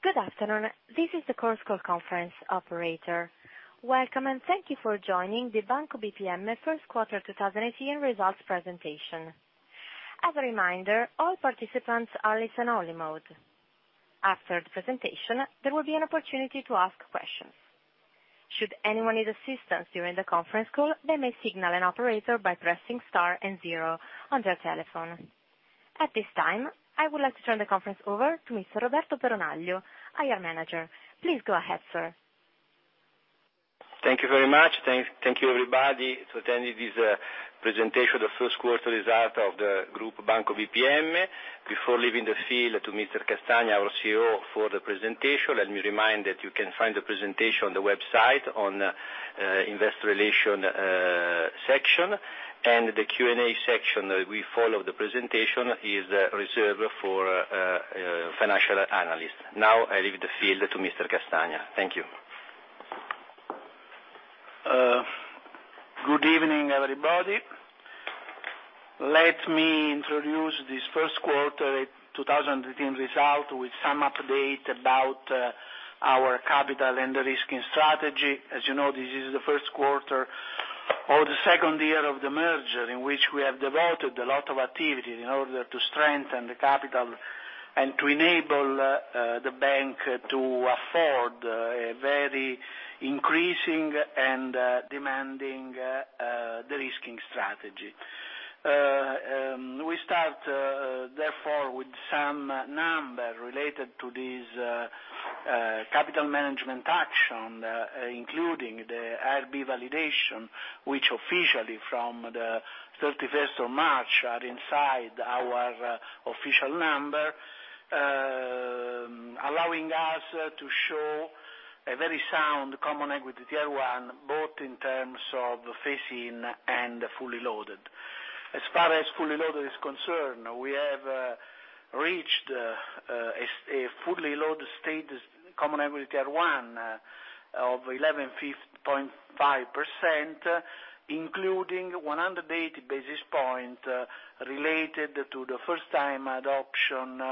Good afternoon. This is the conference call operator. Welcome, and thank you for joining the Banco BPM first quarter 2018 results presentation. As a reminder, all participants are listen-only mode. After the presentation, there will be an opportunity to ask questions. Should anyone need assistance during the conference call, they may signal an operator by pressing star and zero on their telephone. At this time, I would like to turn the conference over to Mr. Roberto Peronaglio, IR Manager. Please go ahead, sir. Thank you very much. Thank you, everybody, to attending this presentation of first quarter result of the Group Banco BPM. Before leaving the field to Mr. Castagna, our CEO, for the presentation, let me remind that you can find the presentation on the website on Investor Relations section. The Q&A section that will follow the presentation is reserved for financial analysts. Now, I leave the field to Mr. Castagna. Thank you. Good evening, everybody. Let me introduce this first quarter 2018 result with some update about our capital and de-risking strategy. As you know, this is the first quarter or the second year of the merger in which we have devoted a lot of activity in order to strengthen the capital and to enable the bank to afford a very increasing and demanding de-risking strategy. We start, therefore, with some numbers related to this capital management action, including the IRB validation, which officially from the 31st of March are inside our official number, allowing us to show a very sound Common Equity Tier 1, both in terms of phase-in and fully loaded. As far as fully loaded is concerned, we have reached a fully loaded status Common Equity Tier 1 of 11.5%, including 180 basis point related to the First-Time Adoption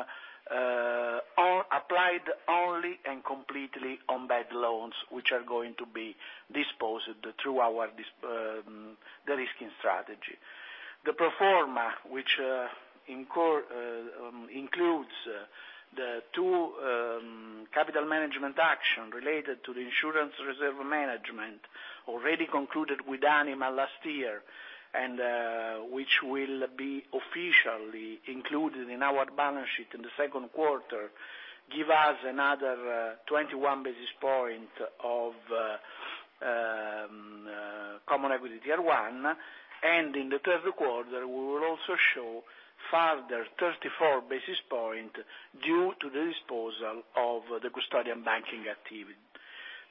applied only and completely on bad loans, which are going to be disposed through our de-risking strategy. The pro forma, which includes the two capital management action related to the insurance reserve management, already concluded with Anima last year, and which will be officially included in our balance sheet in the second quarter, give us another 21 basis point of Common Equity Tier 1, and in the third quarter, we will also show further 34 basis point due to the disposal of the custodian banking activity.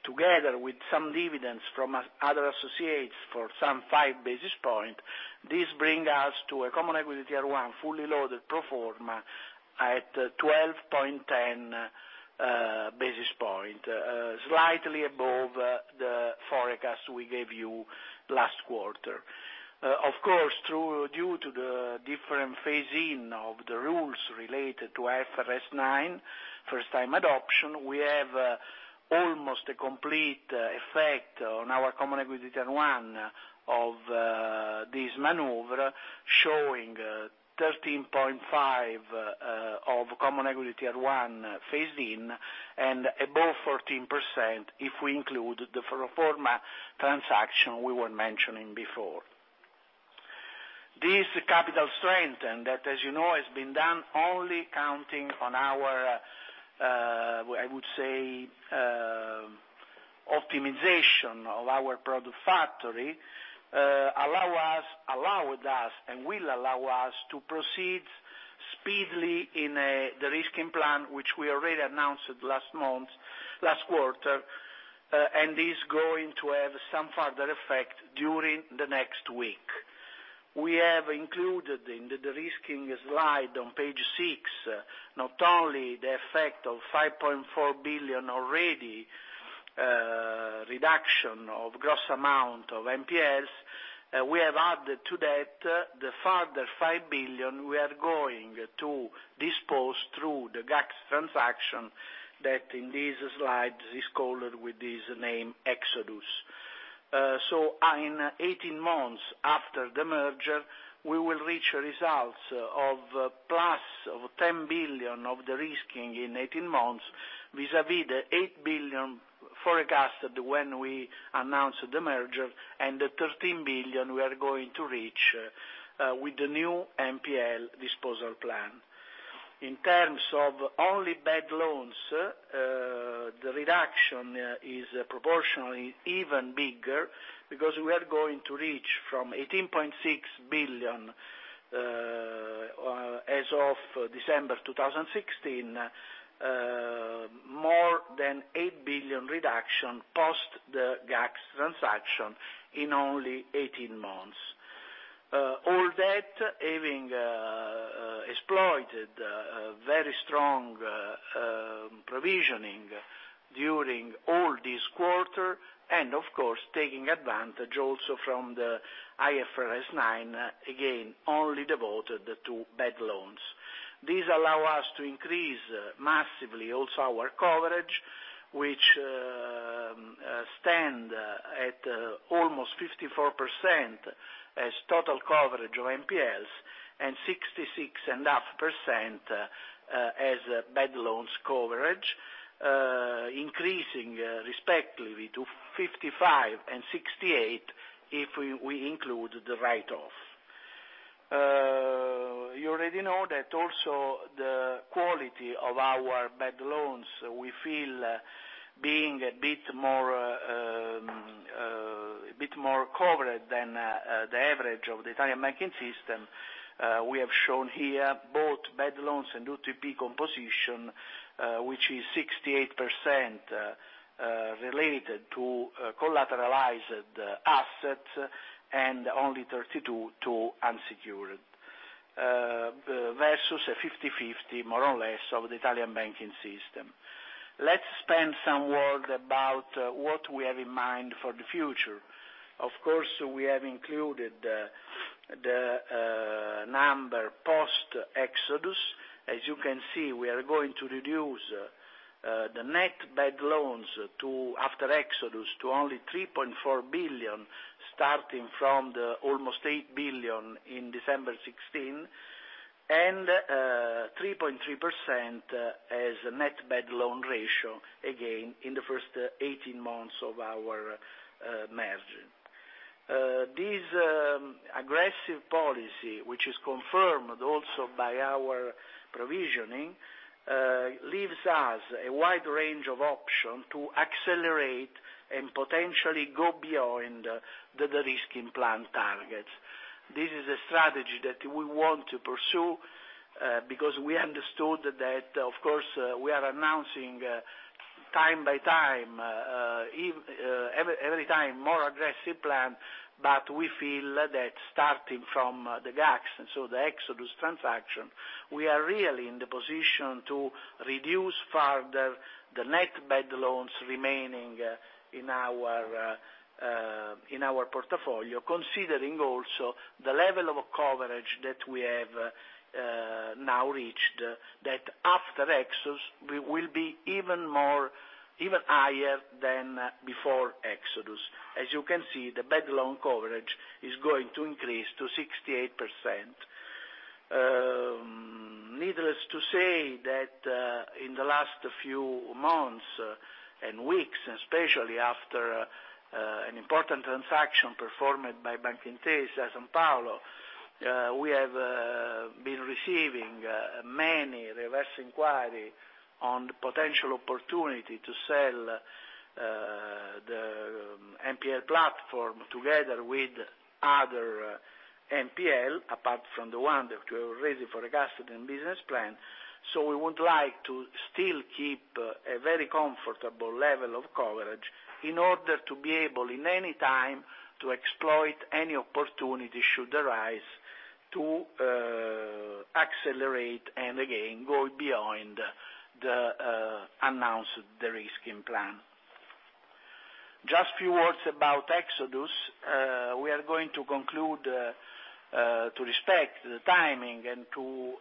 Together with some dividends from other associates for some five basis point, this bring us to a Common Equity Tier 1 fully loaded pro forma at 12.10 basis point, slightly above the forecast we gave you last quarter. Of course, due to the different phase-in of the rules related to IFRS 9, First-Time Adoption, we have almost a complete effect on our Common Equity Tier 1 of this maneuver, showing 13.5% of Common Equity Tier 1 phase in, and above 14% if we include the pro forma transaction we were mentioning before. This capital strength, and that, as you know, has been done only counting on our, I would say, optimization of our product factory, allowed us, and will allow us to proceed speedily in a de-risking plan, which we already announced last quarter, and is going to have some further effect during the next week. We have included in the de-risking slide on page six, not only the effect of 5.4 billion already reduction of gross amount of NPLs. We have added to that the further 5 billion we are going to dispose through the GACS transaction that in these slides is called with this name Exodus. In 18 months after the merger, we will reach results of plus of 10 billion of the de-risking in 18 months, vis-à-vis the 8 billion forecasted when we announced the merger and the 13 billion we are going to reach with the new NPL disposal plan. In terms of only bad loans, the reduction is proportionally even bigger because we are going to reach from 18.6 billion as of December 2016, more than 8 billion reduction post the GACS transaction in only 18 months. All that having exploited very strong provisioning during all this quarter, and of course, taking advantage also from the IFRS 9, again, only devoted to bad loans. This allow us to increase massively also our coverage, which stand at almost 54% as total coverage of NPLs, and 66.5% as bad loans coverage, increasing respectively to 55% and 68% if we include the write-off. You already know that also the quality of our bad loans, we feel being a bit more covered than the average of the Italian banking system. We have shown here both bad loans and UTP composition, which is 68% related to collateralized assets, and only 32% to unsecured, versus 50/50, more or less, of the Italian banking system. Let's spend some word about what we have in mind for the future. Of course, we have included the number post Exodus. As you can see, we are going to reduce the net bad loans after Exodus to only 3.4 billion, starting from the almost 8 billion in December 2016, and 3.3% as net bad loan ratio, again, in the first 18 months of our merger. This aggressive policy, which is confirmed also by our provisioning, leaves us a wide range of option to accelerate and potentially go beyond the de-risking plan targets. This is a strategy that we want to pursue, because we understood that, of course, we are announcing every time more aggressive plan, but we feel that starting from the GACS, the Exodus transaction, we are really in the position to reduce further the net bad loans remaining in our portfolio, considering also the level of coverage that we have now reached, that after Exodus, we will be even higher than before Exodus. As you can see, the bad loan coverage is going to increase to 68%. Needless to say that in the last few months and weeks, especially after an important transaction performed by Intesa Sanpaolo, we have been receiving many reverse inquiry on the potential opportunity to sell the NPL platform together with other NPL, apart from the one that we have already forecasted in business plan. We would like to still keep a very comfortable level of coverage in order to be able, in any time, to exploit any opportunity should arise to accelerate, and again, go beyond the announced de-risking plan. Just few words about Exodus. We are going to conclude to respect the timing and to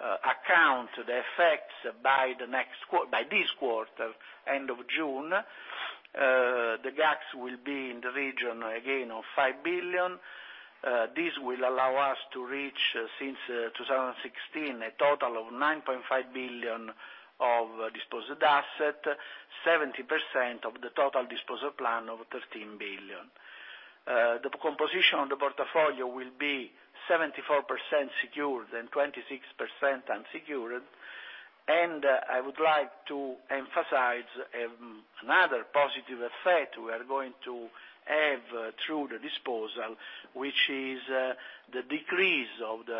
account the effects by this quarter, end of June. The GACS will be in the region again of 5 billion. This will allow us to reach, since 2016, a total of 9.5 billion of disposed asset, 70% of the total disposal plan of 13 billion. The composition of the portfolio will be 74% secured and 26% unsecured. I would like to emphasize another positive effect we are going to have through the disposal, which is the decrease of the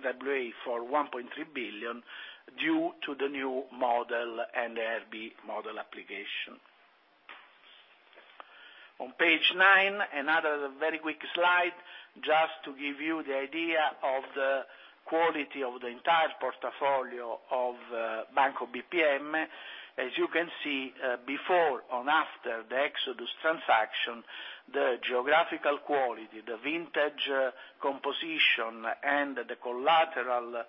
RWA for 1.3 billion due to the new model and the IRB model application. On Page 9, another very quick slide just to give you the idea of the quality of the entire portfolio of Banco BPM. As you can see, before and after the Exodus transaction, the geographical quality, the vintage composition, and the collateral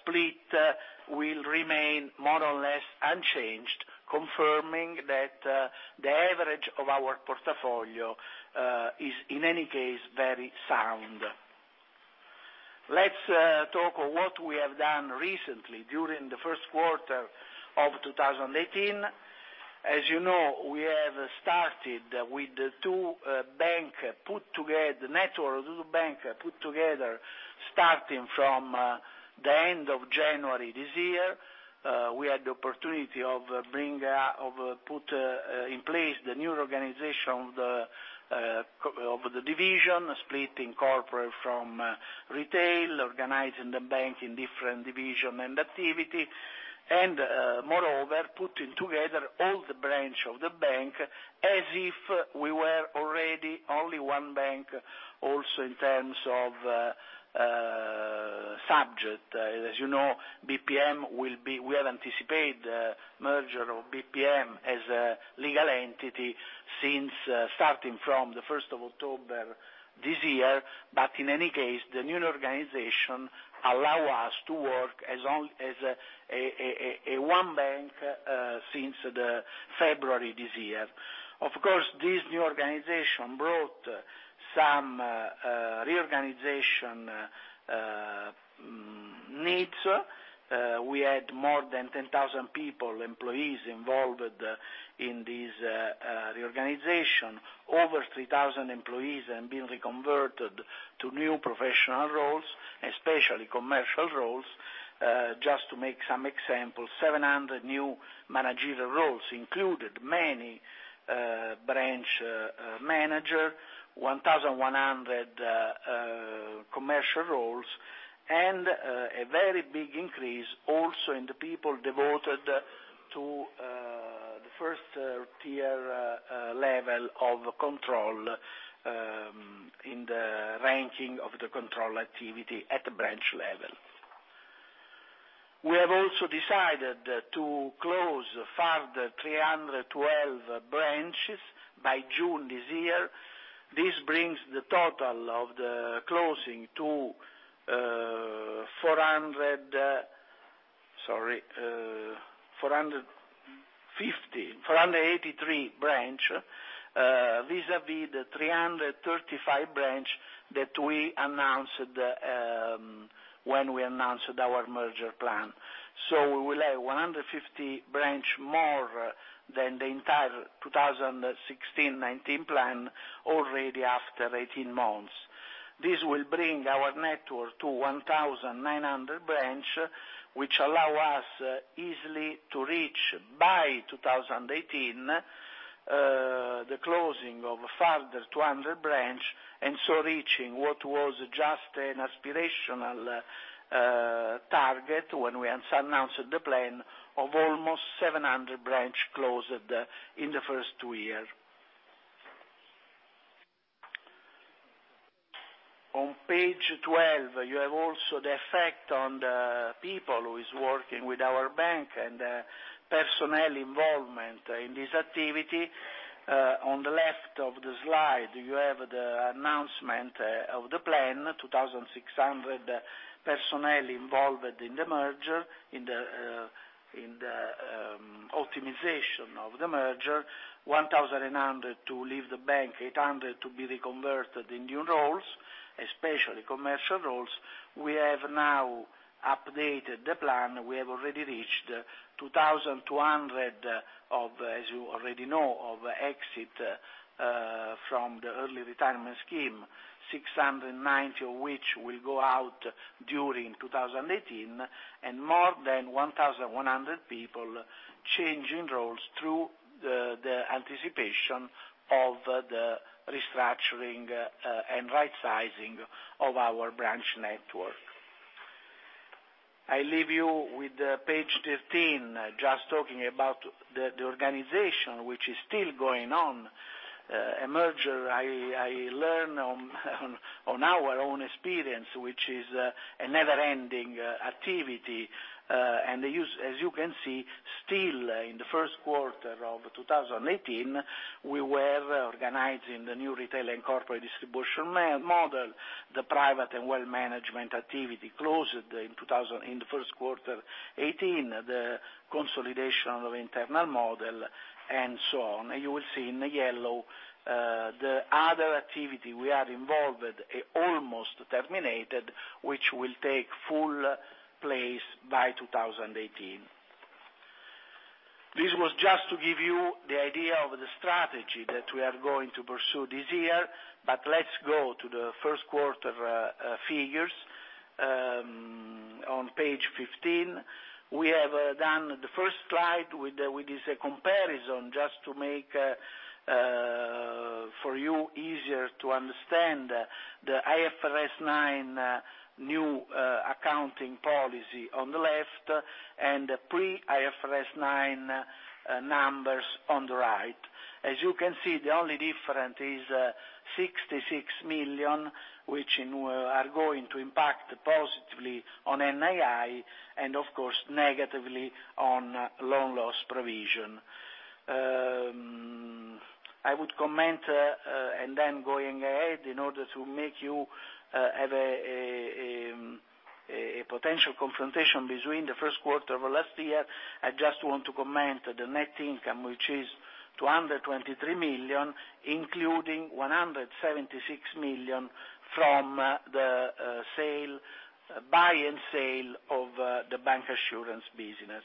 split will remain more or less unchanged, confirming that the average of our portfolio is, in any case, very sound. Let's talk of what we have done recently during the first quarter of 2018. As you know, we have started with the two bank put together, network of the bank put together, starting from the end of January this year. We had the opportunity of put in place the new organization of the division, splitting corporate from retail, organizing the bank in different division and activity. Moreover, putting together all the branch of the bank as if we were already only one bank also in terms of subject. As you know, we have anticipated the merger of BPM as a legal entity starting from the 1st of October this year. In any case, the new organization allow us to work as one bank since February this year. This new organization brought some reorganization needs. We had more than 10,000 people, employees involved in this reorganization. Over 3,000 employees have been reconverted to new professional roles, especially commercial roles. To make some examples, 700 new managerial roles included many branch manager, 1,100 commercial roles, and a very big increase also in the people devoted to the first tier level of control in the ranking of the control activity at the branch level. We have also decided to close further 312 branches by June this year. This brings the total of the closing to 483 branch, vis-a-vis the 335 branch that we announced when we announced our merger plan. We will have 150 branch more than the entire 2016-2019 plan already after 18 months. This will bring our network to 1,900 branch, which allow us easily to reach by 2018, the closing of a further 200 branch, reaching what was just an aspirational target when we announced the plan of almost 700 branch closed in the first two year. On page 12, you have also the effect on the people who is working with our bank and personnel involvement in this activity. On the left of the slide, you have the announcement of the plan, 2,600 personnel involved in the merger, in the optimization of the merger, 1,100 to leave the bank, 800 to be reconverted in new roles, especially commercial roles. We have now updated the plan. We have already reached 2,200, as you already know, of exit from the early retirement scheme, 690 of which will go out during 2018, and more than 1,100 people changing roles through the anticipation of the restructuring and rightsizing of our branch network. I leave you with page 13, just talking about the organization, which is still going on. A merger, I learn on our own experience, which is a never-ending activity. As you can see, still in the first quarter of 2018, we were organizing the new retail and corporate distribution model, the private and wealth management activity closed in the first quarter 2018, the consolidation of internal model and so on. You will see in the yellow, the other activity we are involved almost terminated, which will take full place by 2018. This was just to give you the idea of the strategy that we are going to pursue this year, let's go to the first quarter figures on page 15. We have done the first slide with this comparison just to make for you easier to understand the IFRS 9 new accounting policy on the left and pre-IFRS 9 numbers on the right. As you can see, the only difference is 66 million, which are going to impact positively on NII and of course, negatively on loan loss provision. I would comment, going ahead in order to make you have a potential confrontation between the first quarter of last year, I just want to comment the net income, which is 223 million, including 176 million from the buy and sale of the bancassurance business.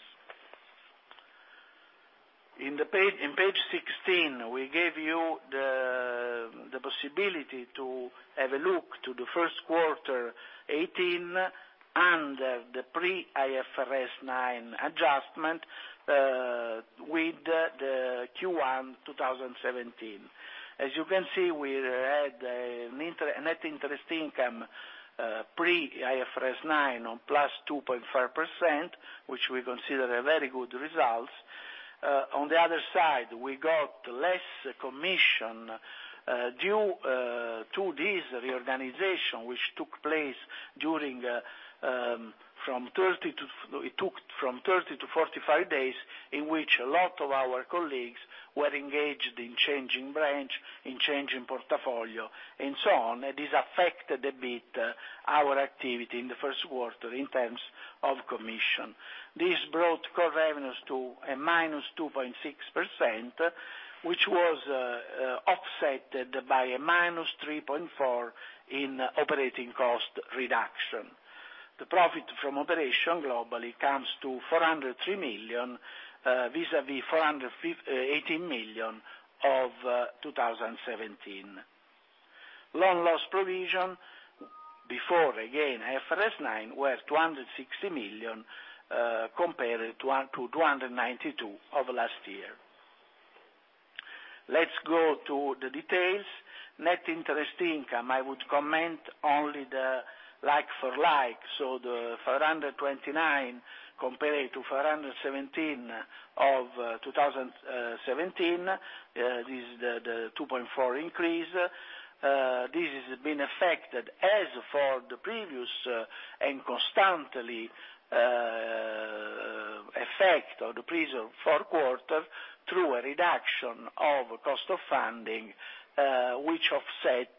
In page 16, we gave you the possibility to have a look to the first quarter 2018 under the pre-IFRS 9 adjustment. With the Q1 2017. As you can see, we had a net interest income pre-IFRS 9 on +2.5%, which we consider a very good result. On the other side, we got less commission due to this reorganization, which took from 30 to 45 days, in which a lot of our colleagues were engaged in changing branch, in changing portfolio, and so on. This affected a bit our activity in the first quarter in terms of commission. This brought core revenues to a -2.6%, which was offset by a -3.4% in operating cost reduction. The profit from operation globally comes to 403 million, vis-à-vis 418 million of 2017. Loan loss provision, before, again, IFRS 9, was 260 million compared to 292 million of last year. Let's go to the details. Net interest income, I would comment only the like-for-like, so the 429 million compared to 417 million of 2017, this is the 2.4% increase. This has been affected as for the previous, and constantly effect of the previous four quarters through a reduction of cost of funding, which offset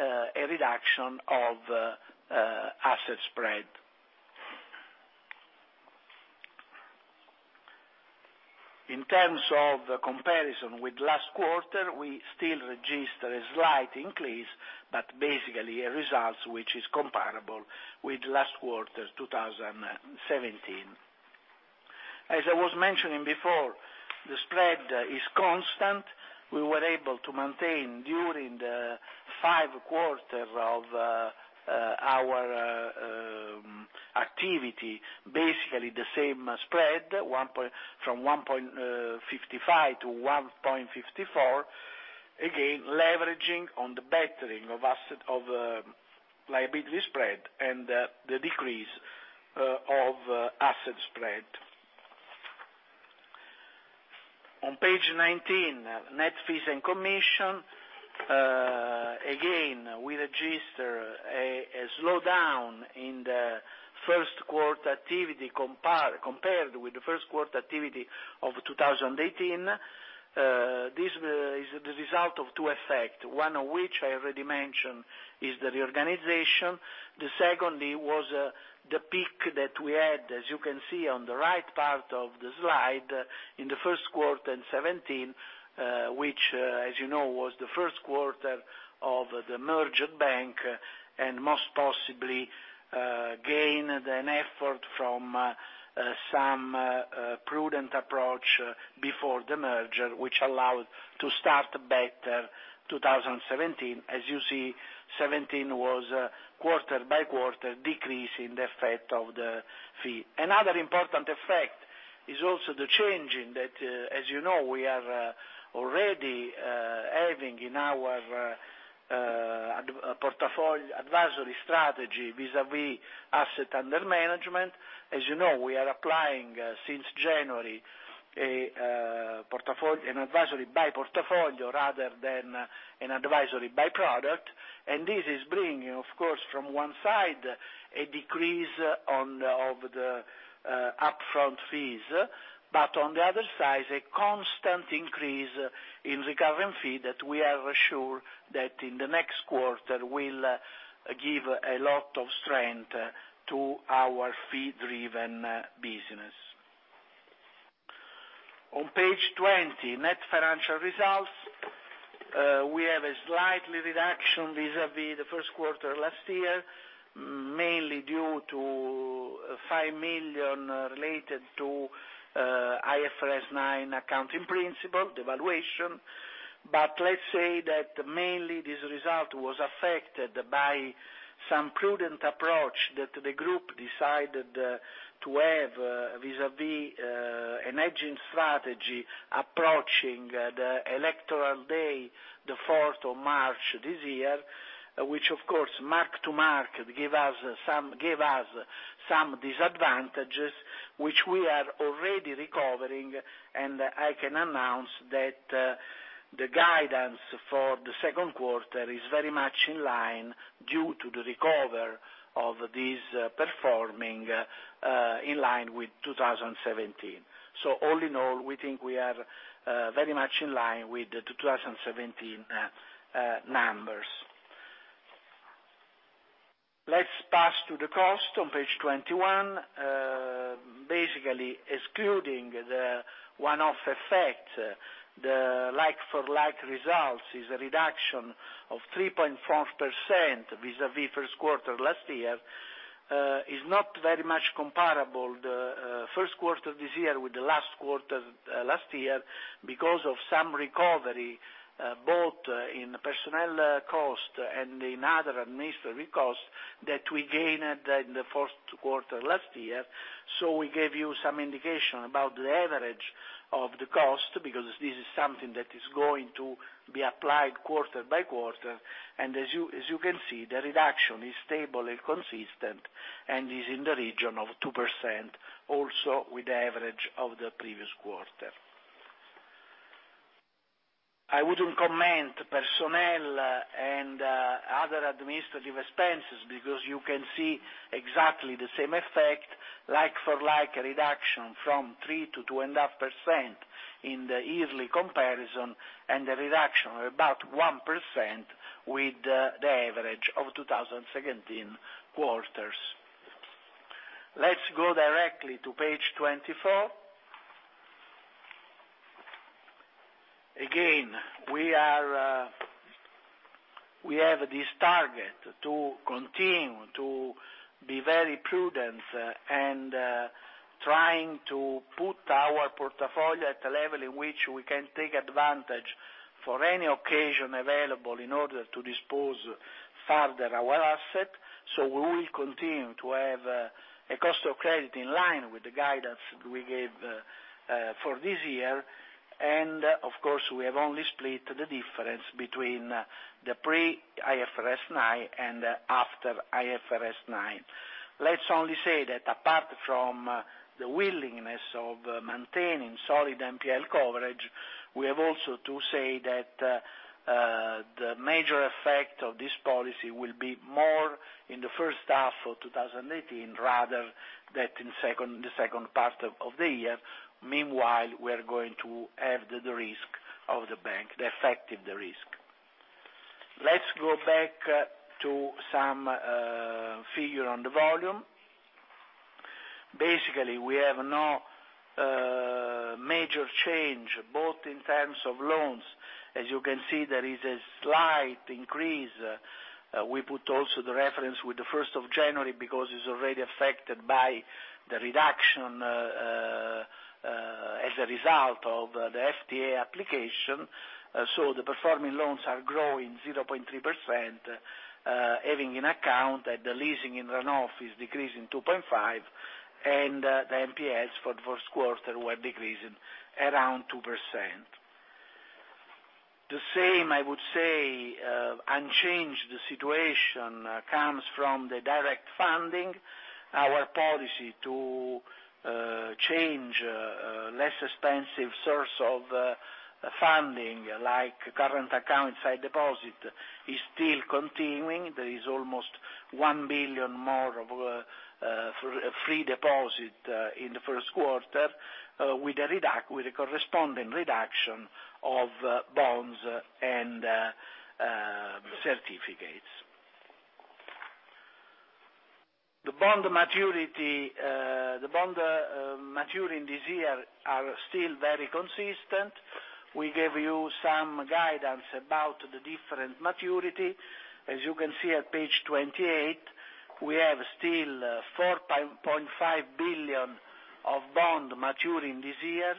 a reduction of asset spread. In terms of comparison with last quarter, we still register a slight increase, but basically a result which is comparable with last quarter 2017. As I was mentioning before, the spread is constant. We were able to maintain, during the five quarters of our activity, basically the same spread, from 1.55 to 1.54. Again, leveraging on the bettering of liability spread and the decrease of asset spread. On page 19, net fees and commission. Again, we register a slowdown in the first quarter activity compared with the first quarter activity of 2018. This is the result of two effect, one of which I already mentioned is the reorganization. The secondly was the peak that we had, as you can see on the right part of the slide, in the first quarter in 2017, which, as you know, was the first quarter of the merged bank, and most possibly gained an effort from some prudent approach before the merger, which allowed to start better 2017. As you see, 2017 was quarter by quarter decrease in the effect of the fee. Another important effect is also the change in that, as you know, we are already having in our advisory strategy vis-à-vis asset under management. As you know, we are applying since January an advisory by portfolio rather than an advisory by product. This is bringing, of course, from one side, a decrease of the upfront fees. On the other side, a constant increase in recurring fee that we are sure that in the next quarter will give a lot of strength to our fee-driven business. On page 20, net financial results. We have a slight reduction vis-à-vis the first quarter last year, mainly due to 5 million related to IFRS 9 accounting principle, the valuation. Let's say that mainly this result was affected by some prudent approach that the group decided to have vis-à-vis an aging strategy approaching the electoral day, the 4th of March this year, which of course, mark-to-market give us some disadvantages, which we are already recovering, and I can announce that the guidance for the second quarter is very much in line due to the recovery of this performing in line with 2017. All in all, we think we are very much in line with the 2017 numbers. Let's pass to the cost on page 21. Basically excluding the one-off effect, the like-for-like results is a reduction of 3.4% vis-à-vis first quarter last year. Is not very much comparable, the first quarter of this year with the last quarter last year, because of some recovery, both in personnel cost and in other administrative costs that we gained in the first quarter last year. We gave you some indication about the average of the cost, because this is something that is going to be applied quarter by quarter. As you can see, the reduction is stable and consistent and is in the region of 2%, also with the average of the previous quarter. I wouldn't comment personnel and other administrative expenses, because you can see exactly the same effect, like-for-like reduction from 3% to 2.5% in the yearly comparison, and a reduction of about 1% with the average of 2017 quarters. Let's go directly to page 24. Again, we have this target to continue to be very prudent, and trying to put our portfolio at a level in which we can take advantage for any occasion available in order to dispose further our asset. We will continue to have a cost of credit in line with the guidance we gave for this year. Of course, we have only split the difference between the pre-IFRS 9 and after IFRS 9. Let's only say that apart from the willingness of maintaining solid NPL coverage, we have also to say that the major effect of this policy will be more in the first half of 2018, rather than in the second part of the year. Meanwhile, we are going to have the risk of the bank, the effect of the risk. Let's go back to some figure on the volume. Basically, we have no major change, both in terms of loans. As you can see, there is a slight increase. We put also the reference with the 1st of January because it's already affected by the reduction as a result of the FTA application. The performing loans are growing 0.3%, having in account that the leasing and runoff is decreasing 2.5%, and the NPLs for the first quarter were decreasing around 2%. The same, I would say, unchanged situation comes from the direct funding. Our policy to change less expensive source of funding, like current account inside deposit, is still continuing. There is almost 1 billion more of free deposit in the first quarter with a corresponding reduction of bonds and certificates. The bond maturing this year are still very consistent. We gave you some guidance about the different maturity. As you can see at page 28, we have still 4.5 billion of bond maturing this year,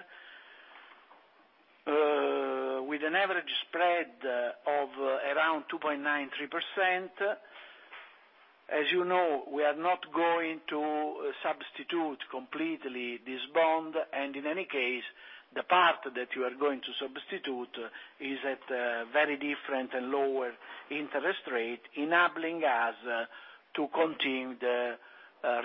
with an average spread of around 2.93%. As you know, we are not going to substitute completely this bond, in any case, the part that you are going to substitute is at a very different and lower interest rate, enabling us to continue the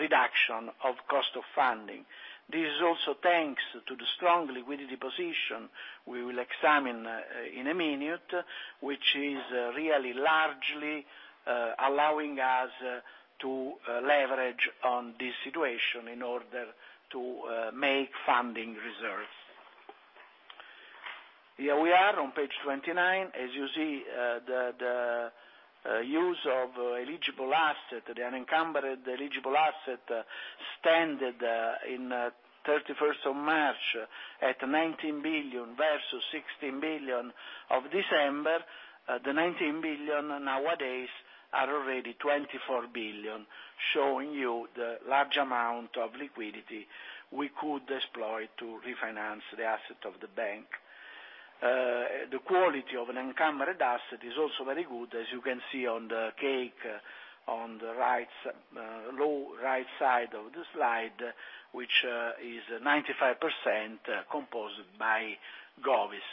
reduction of cost of funding. This is also thanks to the strong liquidity position we will examine in a minute, which is really largely allowing us to leverage on this situation in order to make funding reserves. Here we are on page 29. As you see, the use of eligible asset, the unencumbered eligible asset, standard in 31st of March at 19 billion versus 16 billion of December. The 19 billion nowadays are already 24 billion, showing you the large amount of liquidity we could deploy to refinance the asset of the bank. The quality of an unencumbered asset is also very good, as you can see on the cake on the low right side of the slide, which is 95% composed by Govts.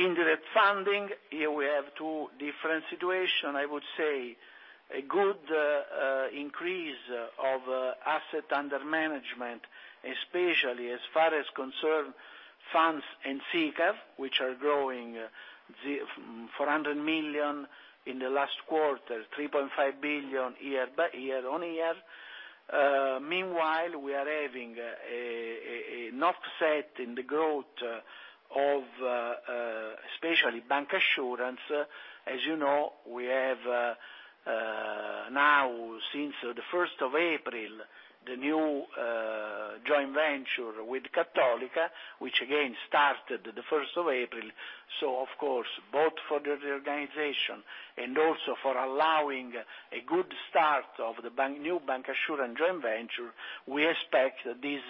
Indirect funding, here we have two different situation. I would say a good increase of assets under management, especially as far as concern funds and SICAR, which are growing 400 million in the last quarter, 3.5 billion year-on-year. Meanwhile, we are having an offset in the growth of especially bancassurance. As you know, we have now, since the 1st of April, the new joint venture with Cattolica, which again started the 1st of April. Of course, both for the reorganization and also for allowing a good start of the new bancassurance joint venture, we expect this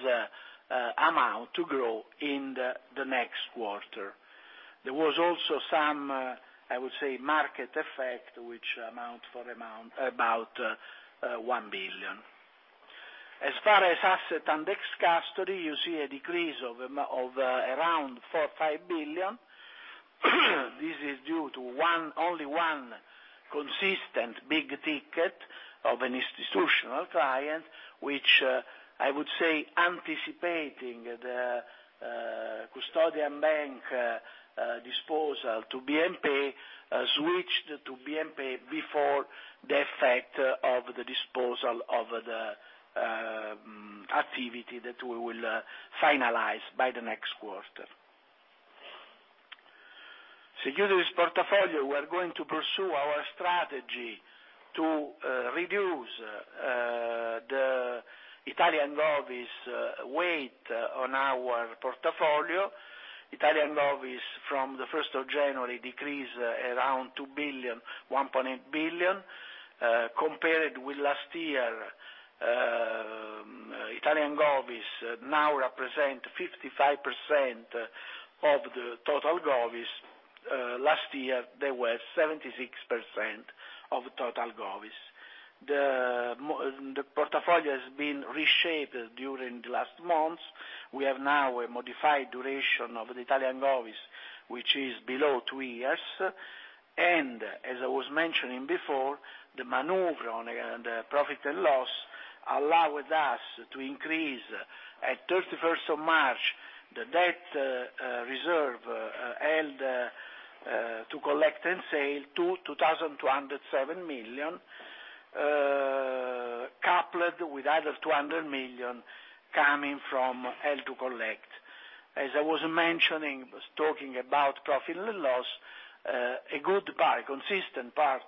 amount to grow in the next quarter. There was also some, I would say, market effect, which amount for about 1 billion. As far as assets under custody, you see a decrease of around 4 billion-5 billion. This is due to only one consistent big ticket of an institutional client, which I would say anticipating the custodian bank disposal to BNP, switched to BNP before the effect of the disposal of the activity that we will finalize by the next quarter. During this portfolio, we are going to pursue our strategy to reduce the Italian GOVs weight on our portfolio. Italian GOVs from the 1st of January decrease around 2 billion, 1.8 billion. Compared with last year, Italian GOVs now represent 55% of the total GOVs. Last year, they were 76% of total GOVs. The portfolio has been reshaped during the last months. We have now a modified duration of the Italian GOVs, which is below two years. As I was mentioning before, the maneuver on the profit and loss allowed us to increase, at 31st of March, the debt reserve held to collect and sale to 2,207 million, coupled with other 200 million coming from held to collect. As I was mentioning, I was talking about profit and loss, a good part, a consistent part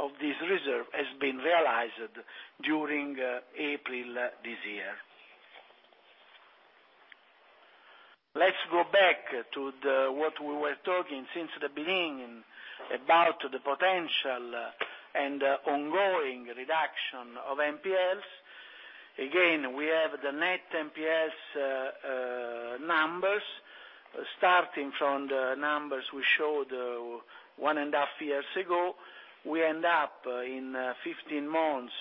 of this reserve has been realized during April this year. Let's go back to what we were talking since the beginning about the potential and ongoing reduction of NPLs. Again, we have the net NPLs numbers. Starting from the numbers we showed one and a half years ago, we end up in 15 months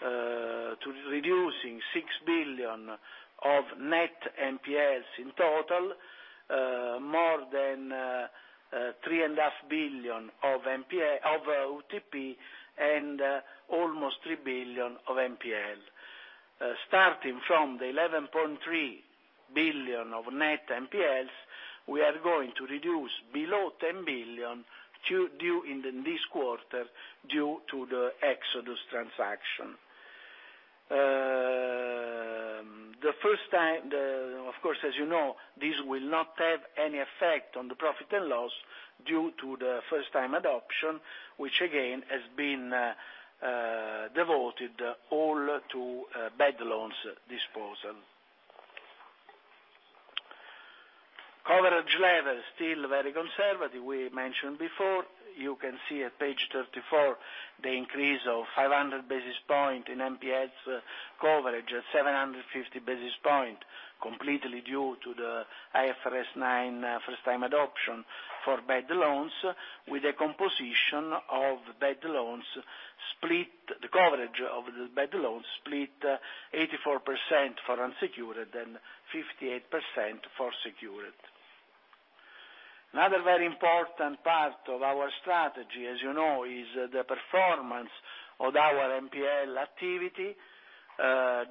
to reducing 6 billion of net NPLs in total, more than three and a half billion of UTP and almost 3 billion of NPL. Starting from the 11.3 billion of net NPLs, we are going to reduce below 10 billion during this quarter due to the Exodus transaction. Of course, as you know, this will not have any effect on the profit and loss due to the first-time adoption, which again has been devoted all to bad loans disposal. Coverage level is still very conservative. We mentioned before, you can see at page 34, the increase of 500 basis points in NPLs coverage at 750 basis points, completely due to the IFRS 9 first-time adoption for bad loans with a composition of bad loans split, the coverage of the bad loans split 84% for unsecured and 58% for secured. Another very important part of our strategy, as you know, is the performance of our NPL activity.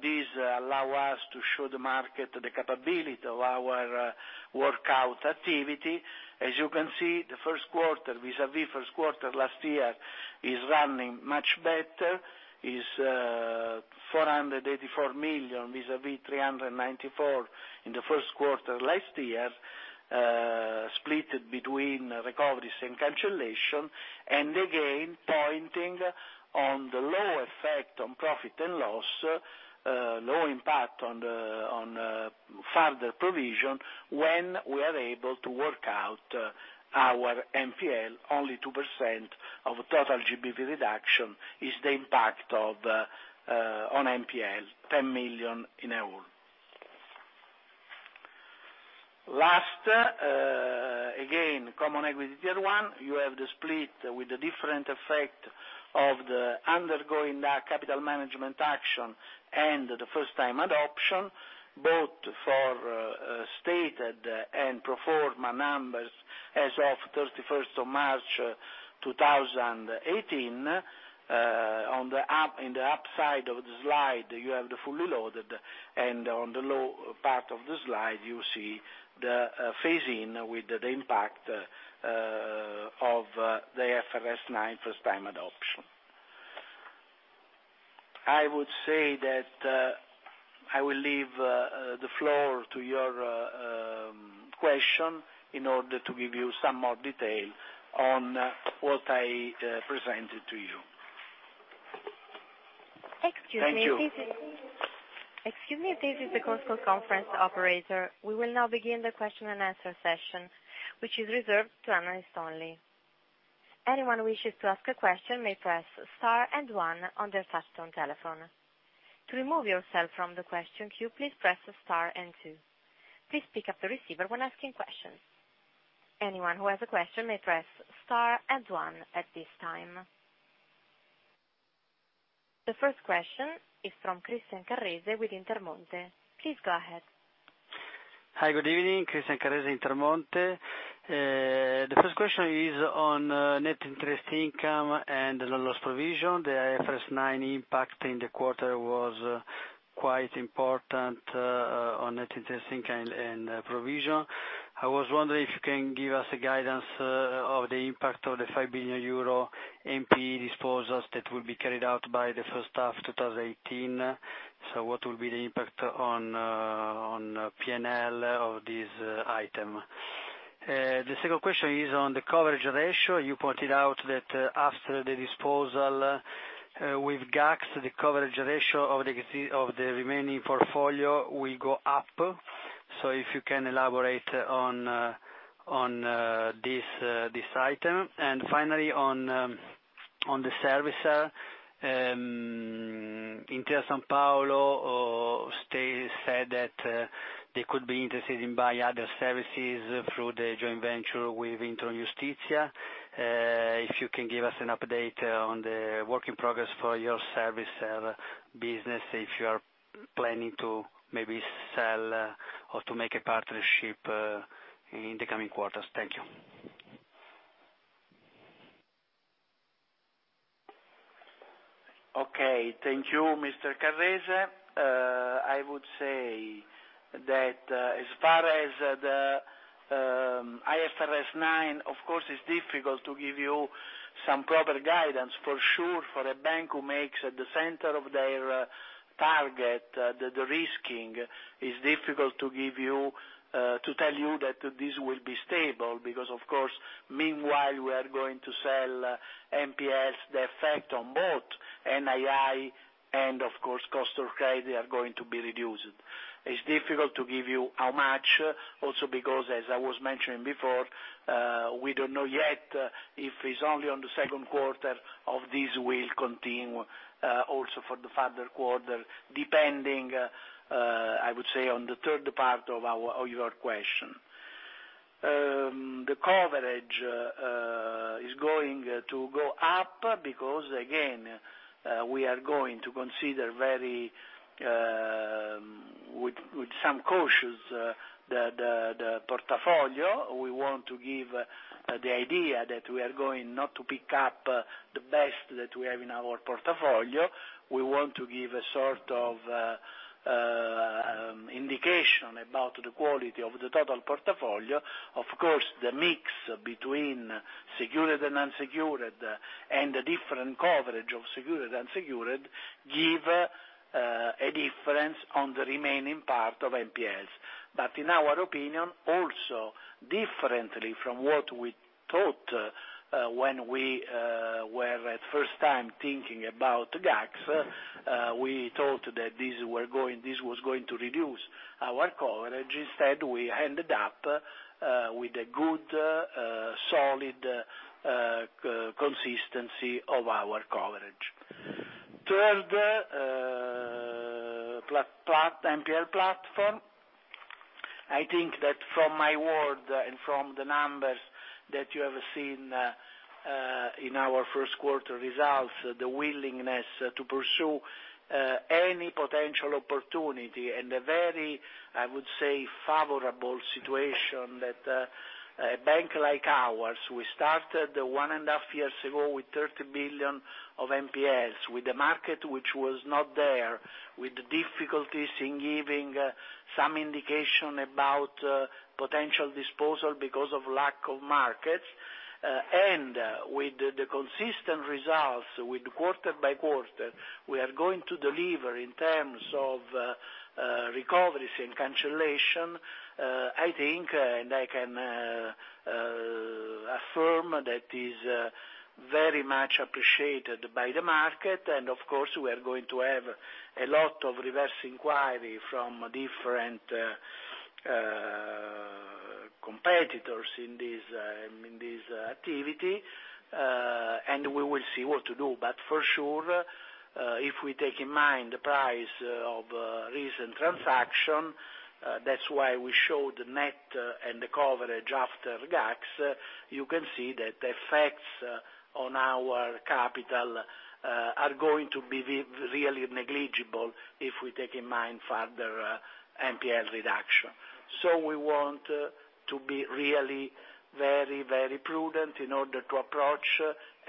This allow us to show the market the capability of our workout activity. As you can see, the first quarter, vis-à-vis first quarter last year is running much better, is 484 million vis-à-vis 394 in the first quarter last year, splitted between recoveries and cancellation. Again, pointing on the low effect on profit and loss, low impact on further provision when we are able to work out our NPL. Only 2% of total GDP reduction is the impact on NPL, EUR 10 million in all. Last, again, Common Equity Tier 1, you have the split with the different effect of the undergoing the capital management action and the First-Time Adoption, both for stated and pro forma numbers as of 31st of March 2018. In the upside of the slide, you have the fully loaded, and on the lower part of the slide, you see the phase in with the impact of the IFRS 9 First-Time Adoption. I would say that I will leave the floor to your question in order to give you some more detail on what I presented to you. Excuse me. Thank you. Excuse me, this is the coastal conference operator. We will now begin the question and answer session, which is reserved to analysts only. Anyone who wishes to ask a question may press Star and One on their touch-tone telephone. To remove yourself from the question queue, please press Star and Two. Please pick up the receiver when asking questions. Anyone who has a question may press Star and One at this time. The first question is from Christian Carrese with Intermonte. Please go ahead. Hi. Good evening. Christian Carrese, Intermonte. The first question is on net interest income and the loss provision. The IFRS 9 impact in the quarter was quite important on net interest income and provision. I was wondering if you can give us a guidance of the impact of the 5 billion euro NPE disposals that will be carried out by the first half 2018. What will be the impact on P&L of this item? The second question is on the coverage ratio. You pointed out that after the disposal with GACS, the coverage ratio of the remaining portfolio will go up. If you can elaborate on this item. Finally, on the servicer, Intesa Sanpaolo said that they could be interested in buying other services through the joint venture with Intrum Justitia. If you can give us an update on the work in progress for your servicer business, if you are planning to maybe sell or to make a partnership in the coming quarters. Thank you. Okay. Thank you, Mr. Carrese. I would say that as far as the IFRS 9, of course, it's difficult to give you some proper guidance. For sure, for a bank who makes at the center of their target, the de-risking, it's difficult to tell you that this will be stable, because of course, meanwhile, we are going to sell NPLs the effect on both NII and, of course, cost of credit are going to be reduced. It's difficult to give you how much, also because, as I was mentioning before, we don't know yet if it's only on the second quarter or this will continue also for the further quarter, depending, I would say, on the third part of your question. The coverage is going to go up because, again, we are going to consider very with some cautious the portfolio. We want to give the idea that we are going not to pick up the best that we have in our portfolio. We want to give a sort of indication about the quality of the total portfolio. Of course, the mix between secured and unsecured and the different coverage of secured, unsecured give a difference on the remaining part of NPLs. In our opinion, also differently from what we thought when we were at first time thinking about GACS, we thought that this was going to reduce our coverage. Instead, we ended up with a good, solid consistency of our coverage. Third, NPL platform. I think that from my word and from the numbers that you have seen in our first quarter results, the willingness to pursue any potential opportunity and a very, I would say, favorable situation that a bank like ours, we started one and a half years ago with 30 billion of NPLs with a market which was not there, with difficulties in giving some indication about potential disposal because of lack of markets, and with the consistent results with quarter by quarter, we are going to deliver in terms of recoveries and cancellation, I think, and I can affirm that is very much appreciated by the market. Of course, we are going to have a lot of reverse inquiry from different competitors in this activity, and we will see what to do. For sure, if we take in mind the price of a recent transaction, that's why we showed net and the coverage after GACS, you can see that the effects on our capital are going to be really negligible if we take in mind further NPL reduction. We want to be really very prudent in order to approach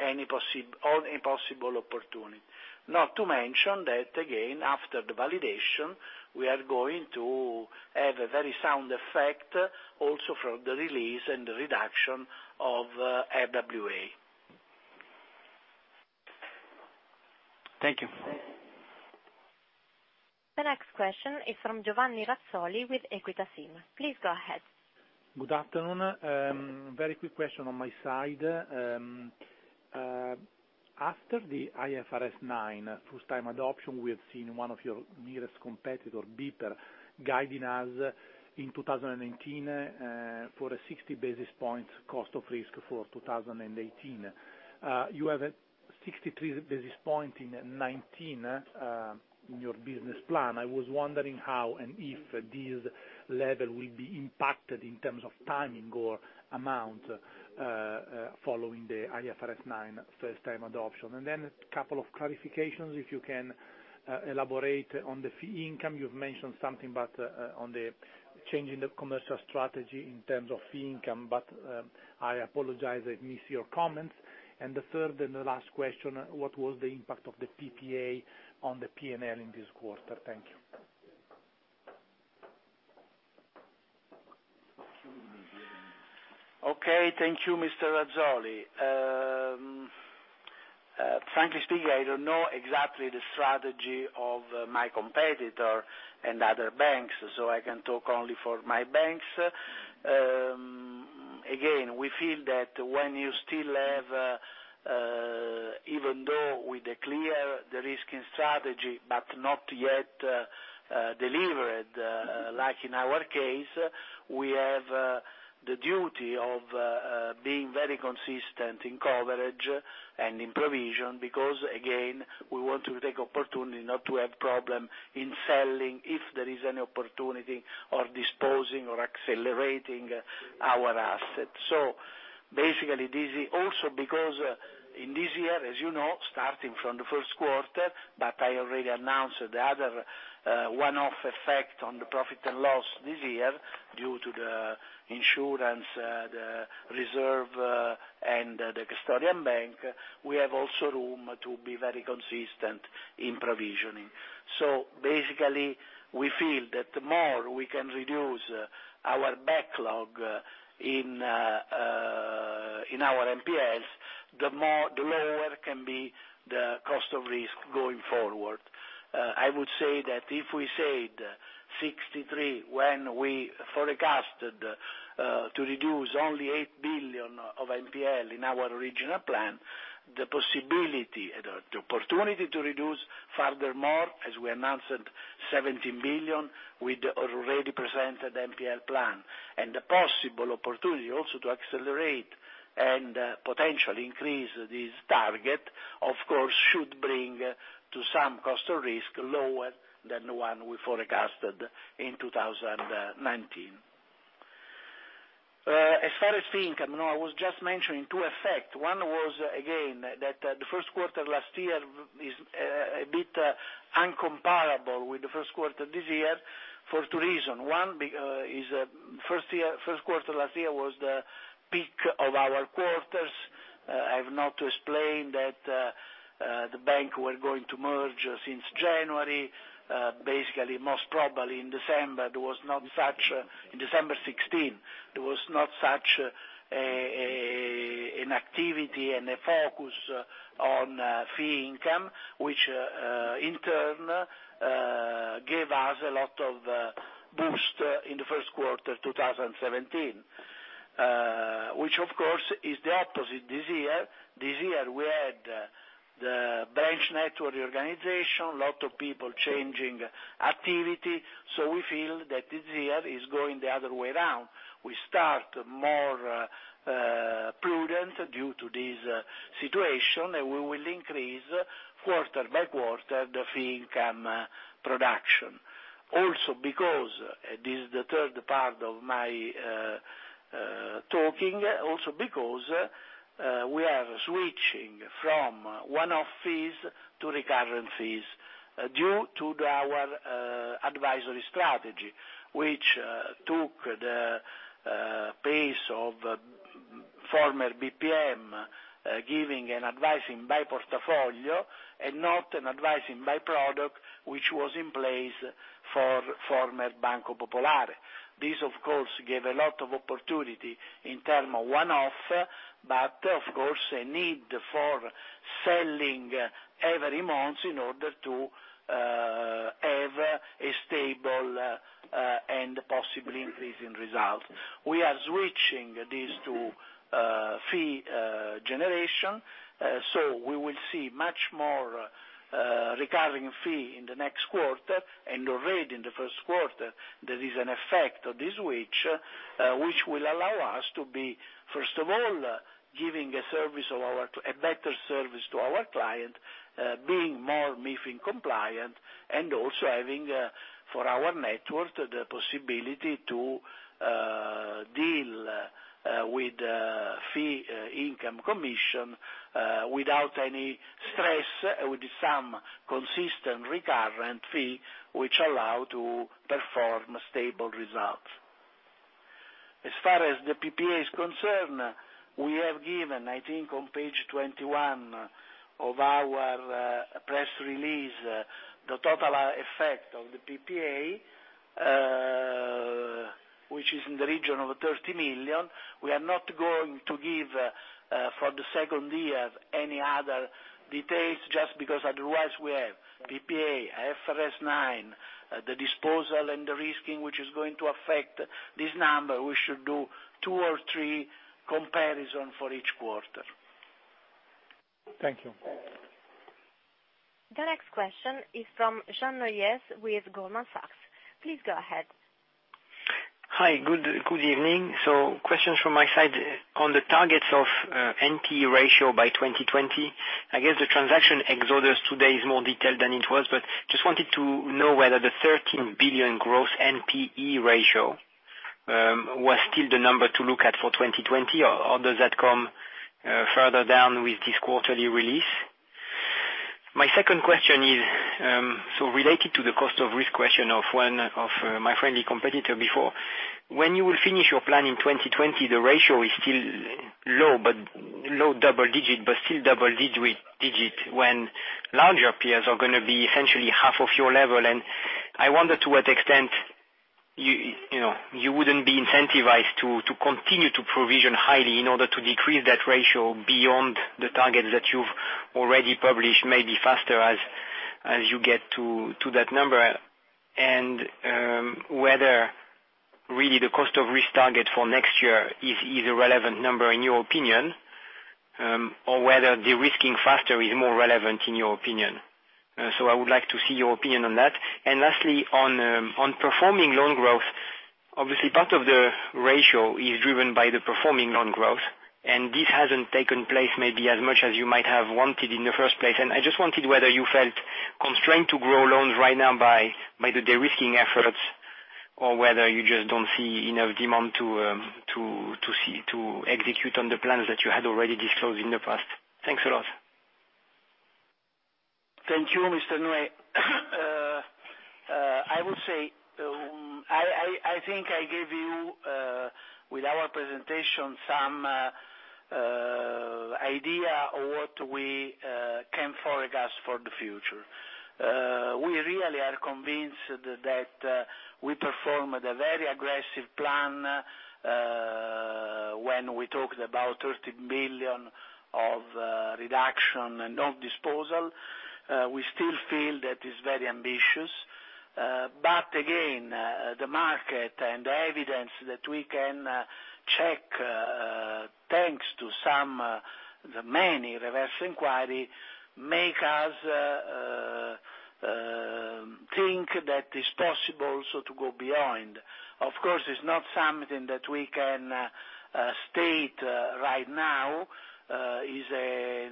any possible opportunity. Not to mention that, again, after the validation, we are going to have a very sound effect also from the release and the reduction of RWA. Thank you. The next question is from Giovanni Razzoli with Equita SIM. Please go ahead. Good afternoon. Very quick question on my side. After the IFRS 9 First-Time Adoption, we have seen one of your nearest competitor, BPER, guiding us in 2019, for a 60 basis point cost of risk for 2018. You have a 63 basis point in 2019, in your business plan. I was wondering how and if this level will be impacted in terms of timing or amount, following the IFRS 9 First-Time Adoption. A couple of clarifications, if you can elaborate on the fee income. You've mentioned something about the change in the commercial strategy in terms of fee income, but I apologize if I missed your comments. The third and the last question, what was the impact of the PPA on the P&L in this quarter? Thank you. Okay. Thank you, Mr. Razzoli. Frankly speaking, I don't know exactly the strategy of my competitor and other banks, I can talk only for my banks. Again, we feel that when you still have, even though with a clear risk in strategy, but not yet delivered, like in our case, we have the duty of being very consistent in coverage and in provision, because, again, we want to take opportunity not to have problem in selling if there is any opportunity of disposing or accelerating our assets. Because in this year, as you know, starting from the first quarter, but I already announced the other one-off effect on the profit and loss this year due to the insurance, the reserve, and the custodian bank. We have also room to be very consistent in provisioning. Basically, we feel that the more we can reduce our backlog in our NPLs, the lower can be the cost of risk going forward. I would say that if we said 63 when we forecasted to reduce only 8 billion of NPL in our original plan, the possibility, the opportunity to reduce furthermore, as we announced 17 billion with the already presented NPL plan. The possible opportunity also to accelerate and potentially increase this target, of course, should bring to some cost of risk lower than the one we forecasted in 2019. As far as fee income, I was just mentioning two effect. One was, again, that the first quarter last year is a bit uncomparable with the first quarter this year for two reason. One is first quarter last year was the peak of our quarters. I have not explained that the bank were going to merge since January. Basically, most probably in December 16th, there was not such an activity and a focus on fee income, which in turn gave us a lot of boost in the first quarter 2017. Which, of course, is the opposite this year. This year, we had the branch network reorganization, lot of people changing activity. We feel that this year is going the other way around. We start more prudent due to this situation, and we will increase quarter by quarter the fee income production. Because this is the third part of my talking, because we are switching from one-off fees to recurrent fees due to our advisory strategy, which took the pace of former BPM, giving an advising by portafoglio and not an advising by product, which was in place for former Banco Popolare. This, of course, gave a lot of opportunity in term of one-off, but of course, a need for selling every month in order to have a stable and possibly increasing result. We are switching this to fee generation. We will see much more recurring fee in the next quarter, and already in the first quarter, there is an effect of this switch, which will allow us to be, first of all, giving a better service to our client, being more MiFID compliant, and also having, for our network, the possibility to deal with fee income commission, without any stress, with some consistent recurrent fee which allow to perform stable results. As far as the PPA is concerned, we have given, I think on page 21 of our press release, the total effect of the PPA. Is in the region of 30 million. We are not going to give, for the second year, any other details, just because otherwise we have PPA, IFRS 9, the disposal, and the de-risking, which is going to affect this number. We should do two or three comparison for each quarter. Thank you. The next question is from Jean Neuez with Goldman Sachs. Please go ahead. Hi. Good evening. Questions from my side on the targets of NPE ratio by 2020. I guess the transaction Exodus today is more detailed than it was, but just wanted to know whether the 13 billion gross NPE ratio was still the number to look at for 2020, or does that come further down with this quarterly release? My second question is related to the cost of risk question of my friendly competitor before. When you will finish your plan in 2020, the ratio is still low double-digit, but still double-digit, when larger peers are going to be essentially half of your level. I wonder to what extent you wouldn't be incentivized to continue to provision highly in order to decrease that ratio beyond the target that you've already published, maybe faster as you get to that number. Whether really the cost of risk target for next year is a relevant number in your opinion, or whether de-risking faster is more relevant in your opinion. I would like to see your opinion on that. Lastly, on performing loan growth, obviously part of the ratio is driven by the performing loan growth, and this hasn't taken place maybe as much as you might have wanted in the first place. I just wondered whether you felt constrained to grow loans right now by the de-risking efforts, or whether you just don't see enough demand to execute on the plans that you had already disclosed in the past. Thanks a lot. Thank you, Mr. Neuez. I would say, I think I gave you, with our presentation, some idea of what we can forecast for the future. We really are convinced that we performed a very aggressive plan, when we talked about 13 billion of reduction and of disposal. We still feel that is very ambitious. Again, the market and the evidence that we can check, thanks to the many reverse inquiry, make us think that it's possible also to go beyond. Of course, it's not something that we can state right now. It's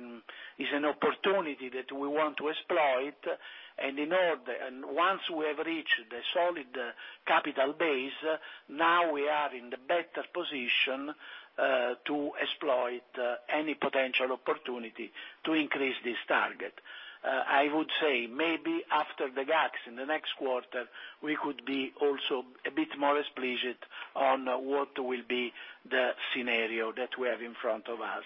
an opportunity that we want to exploit. Once we have reached the solid capital base, now we are in the better position to exploit any potential opportunity to increase this target. I would say, maybe after the GACS, in the next quarter, we could be also a bit more explicit on what will be the scenario that we have in front of us.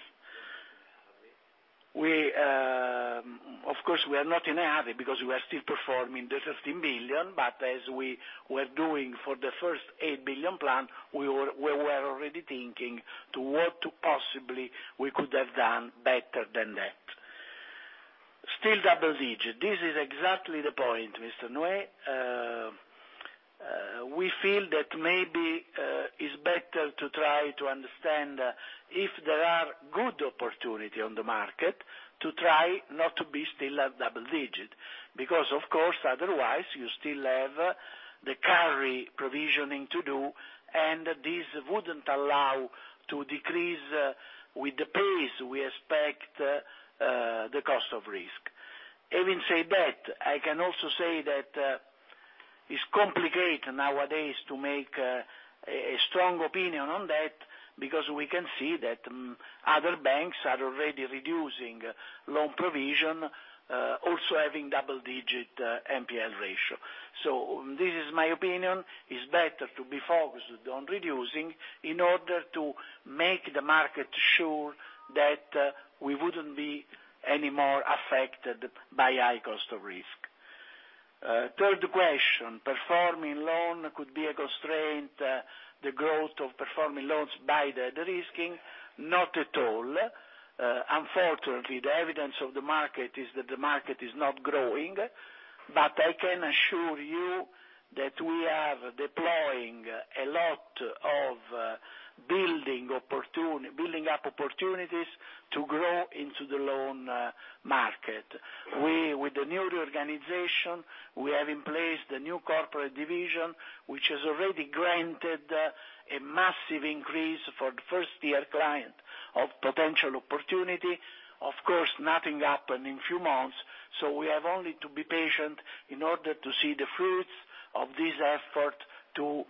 Of course, we are not in a hurry because we are still performing the 13 billion, but as we were doing for the first 8 billion plan, we were already thinking to what possibly we could have done better than that. Still double digit. This is exactly the point, Mr. Noie. We feel that maybe it's better to try to understand if there are good opportunity on the market to try not to be still at double digit. Because of course, otherwise you still have the carry provisioning to do, and this wouldn't allow to decrease with the pace we expect the cost of risk. Having said that, I can also say that it's complicated nowadays to make a strong opinion on that, because we can see that other banks are already reducing loan provision, also having double-digit NPL ratio. This is my opinion, it's better to be focused on reducing in order to make the market sure that we wouldn't be any more affected by high cost of risk. Third question, performing loan could be a constraint, the growth of performing loans by the de-risking. Not at all. Unfortunately, the evidence of the market is that the market is not growing. I can assure you that we are deploying a lot of building up opportunities to grow into the loan market. With the new reorganization, we have in place the new corporate division, which has already granted a massive increase for the first year client of potential opportunity. Of course, nothing happened in few months, we have only to be patient in order to see the fruits of this effort to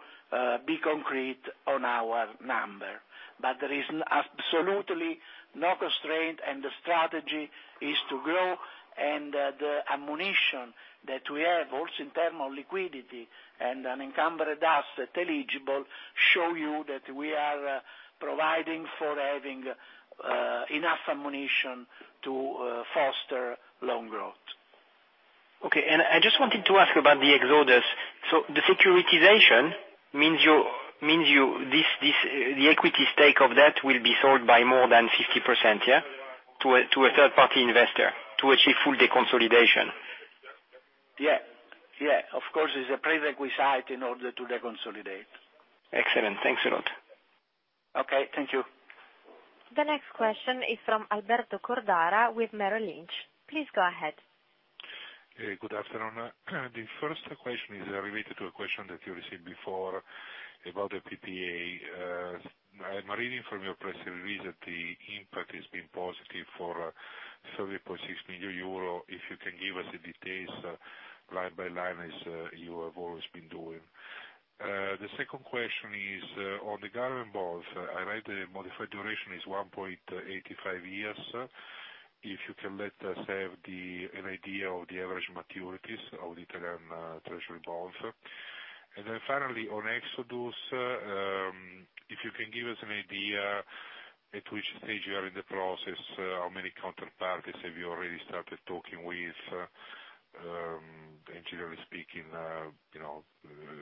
be concrete on our number. There is absolutely no constraint, the strategy is to grow, the ammunition that we have, also in term of liquidity and unencumbered asset eligible, show you that we are providing for having enough ammunition to foster loan growth. Okay. I just wanted to ask about the Exodus. The securitization means the equity stake of that will be sold by more than 50%, yeah? To a third-party investor to achieve full deconsolidation. Yeah. Of course, it's a prerequisite in order to deconsolidate. Excellent. Thanks a lot. Okay. Thank you. The next question is from Alberto Cordara with Merrill Lynch. Please go ahead. Good afternoon. The first question is related to a question that you received before about the PPA. I'm reading from your press release that the impact has been positive for 30.6 million euro. If you can give us the details line by line as you have always been doing. The second question is on the government bonds. I read the modified duration is 1.85 years. If you can let us have an idea of the average maturities of Italian Treasury bonds. Finally on Exodus, if you can give us an idea at which stage you are in the process, how many counterparties have you already started talking with? Generally speaking, a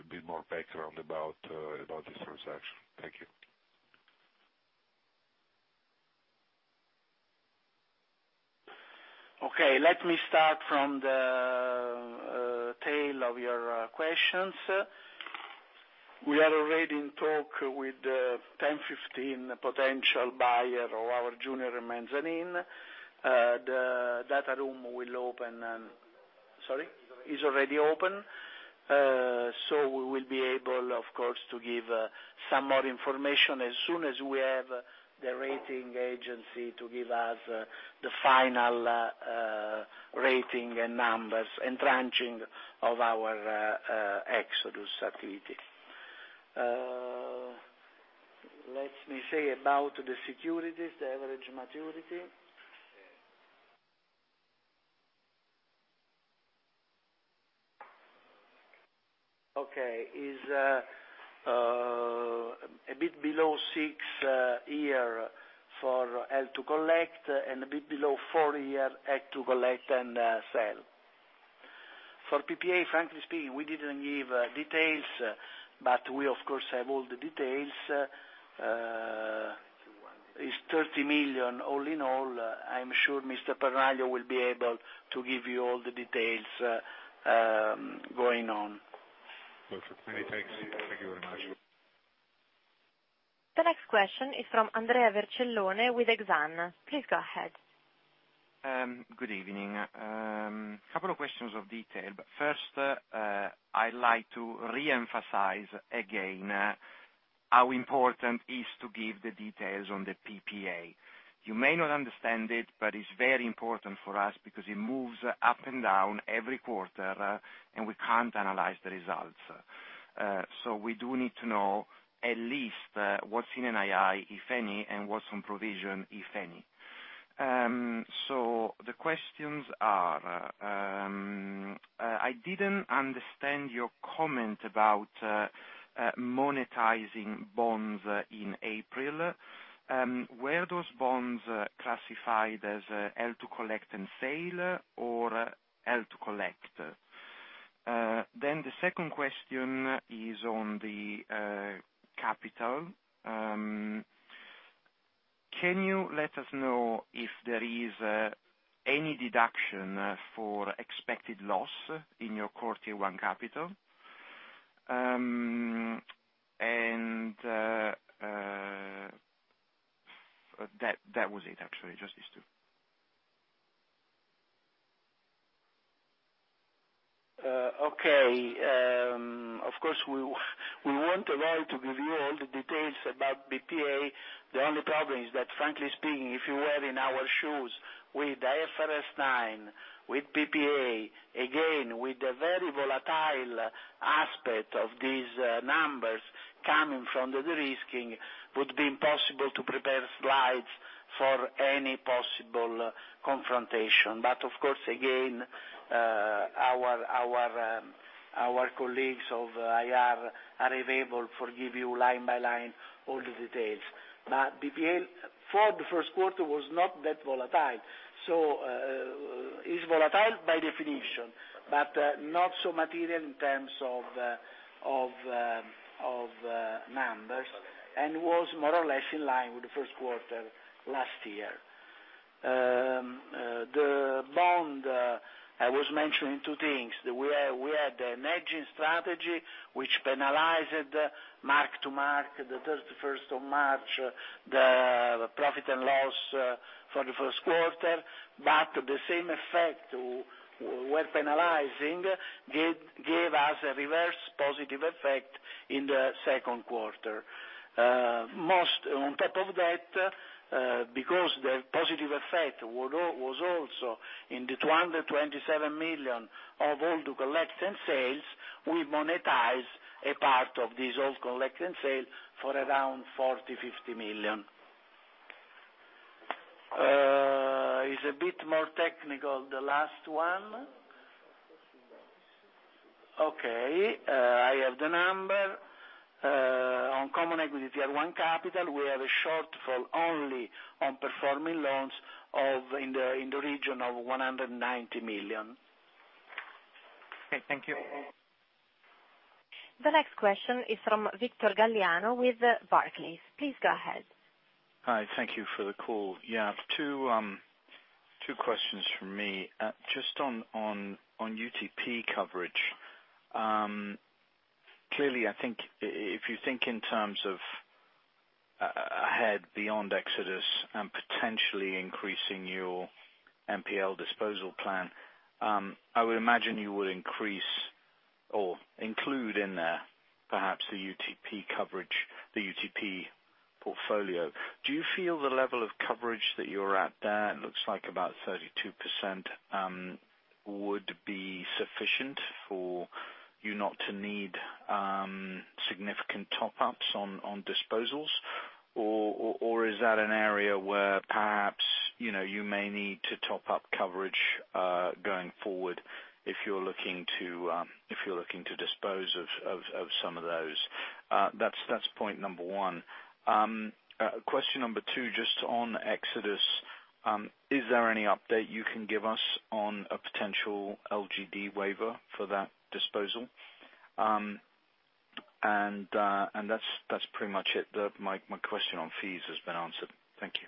bit more background about this transaction. Thank you. Okay. Let me start from the tail of your questions. We are already in talk with 10, 15 potential buyer of our junior mezzanine. The data room will open Sorry? Is already open. Is already open. We will be able, of course, to give some more information as soon as we have the rating agency to give us the final rating and numbers and tranching of our Exodus activity. Let me say about the securities, the average maturity. Okay, is a bit below six year for held to collect, and a bit below four year held to collect and sell. For PPA, frankly speaking, we didn't give details, but we of course have all the details. It's 30 million all in all. I'm sure Mr. Peronaglio will be able to give you all the details, going on. Perfect. Many thanks. Thank you very much. The next question is from Andrea Vercellone with Exane. Please go ahead. Good evening. Couple of questions of detail. First, I'd like to reemphasize again, how important is to give the details on the PPA. You may not understand it, but it's very important for us because it moves up and down every quarter, and we can't analyze the results. We do need to know at least, what's in NII, if any, and what's on provision, if any. The questions are: I didn't understand your comment about monetizing bonds in April. Were those bonds classified as held to collect and sale or held to collect? The second question is on the capital. Can you let us know if there is any deduction for expected loss in your core Tier 1 capital? That was it, actually, just these two. Okay. Of course, we want to be able to give you all the details about PPA. The only problem is that, frankly speaking, if you were in our shoes with IFRS 9, with PPA, again, with the very volatile aspect of these numbers coming from the de-risking, would be impossible to prepare slides for any possible confrontation. Of course, again, our colleagues of IR are available for give you line by line all the details. PPA, for the first quarter, was not that volatile. It's volatile by definition, but not so material in terms of numbers, and was more or less in line with the first quarter last year. The bond, I was mentioning two things. We had a hedging strategy which penalized mark to mark the 31st of March, the profit and loss for the first quarter. The same effect we're penalizing gave us a reverse positive effect in the second quarter. On top of that, because the positive effect was also in the 227 million of [all the collection and sales], we monetize a part of this [all collection and sale] for around 40 million-50 million. Is a bit more technical, the last one. Okay. I have the number. On Common Equity Tier 1 capital, we have a shortfall only on performing loans in the region of 190 million. Okay, thank you. The next question is from Victor Galliano with Barclays. Please go ahead. Hi. Thank you for the call. Yeah, two questions from me. Just on UTP coverage. Clearly, I think if you think in terms of ahead beyond Exodus and potentially increasing your NPL disposal plan, I would imagine you would increase or include in there perhaps the UTP coverage, the UTP portfolio. Do you feel the level of coverage that you're at there, it looks like about 32%, would be sufficient for you not to need significant top-ups on disposals? Or is that an area where perhaps, you may need to top up coverage, going forward if you're looking to dispose of some of those? That's point 1. Question 2, just on Exodus. Is there any update you can give us on a potential LGD waiver for that disposal? That's pretty much it. My question on fees has been answered. Thank you.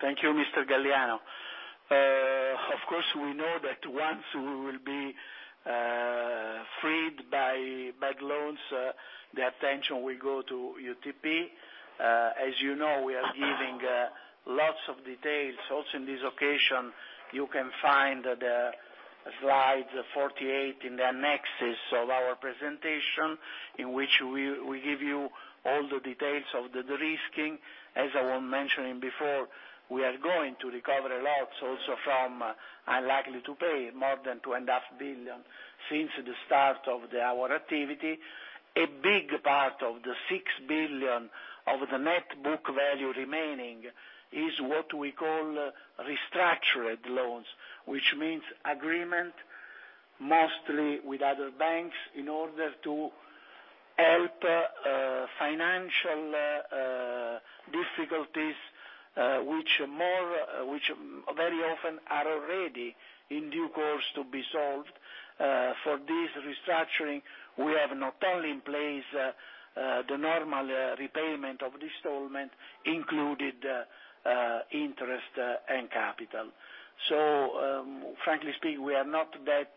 Thank you, Mr. Galliano. Of course, we know that once we will be freed by bad loans, the attention will go to UTP. As you know, we are giving lots of details. Also in this occasion, you can find the slide 48 in the annexes of our presentation, in which we give you all the details of the de-risking. As I was mentioning before, we are going to recover a lot also from unlikely to pay, more than 2.5 billion since the start of our activity. A big part of the 6 billion of the net book value remaining is what we call restructured loans, which means agreement mostly with other banks in order to help financial difficulties, which very often are already in due course to be solved. For this restructuring, we have not only in place the normal repayment of installment included interest and capital. Frankly speaking, we are not that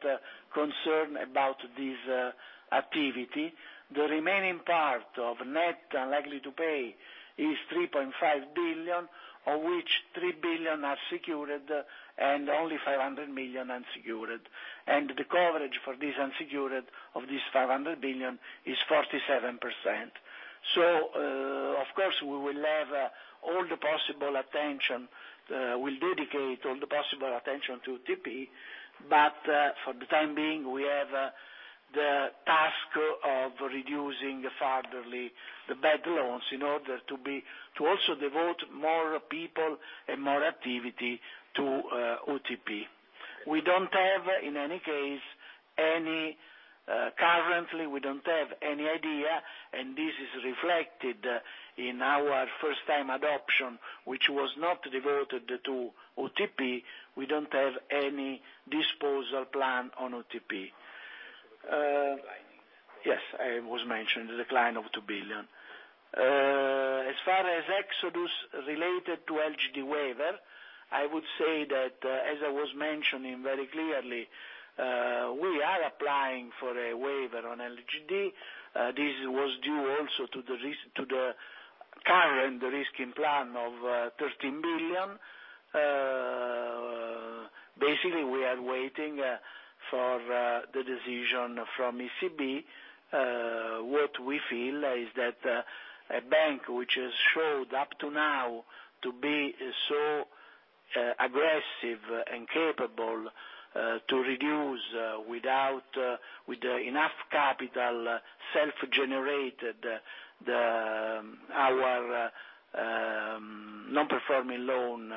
concerned about this activity. The remaining part of net unlikely to pay is 3.5 billion, of which 3 billion are secured and only 500 million unsecured. The coverage for these unsecured of this 500 million is 47%. Of course we will have all the possible attention. We'll dedicate all the possible attention to UTP, but for the time being, we have the task of reducing fartherly the bad loans in order to also devote more people and more activity to UTP. We don't have, in any case, currently, we don't have any idea, and this is reflected in our first time adoption, which was not devoted to UTP. We don't have any disposal plan on UTP. Yes, it was mentioned, the decline of 2 billion. As far as Exodus related to LGD waiver, I would say that, as I was mentioning very clearly, we are applying for a waiver on LGD. This was due also to the current risk in plan of 13 billion. Basically, we are waiting for the decision from ECB. What we feel is that a bank which has showed up to now to be so aggressive and capable to reduce with enough capital self-generated, our non-performing loan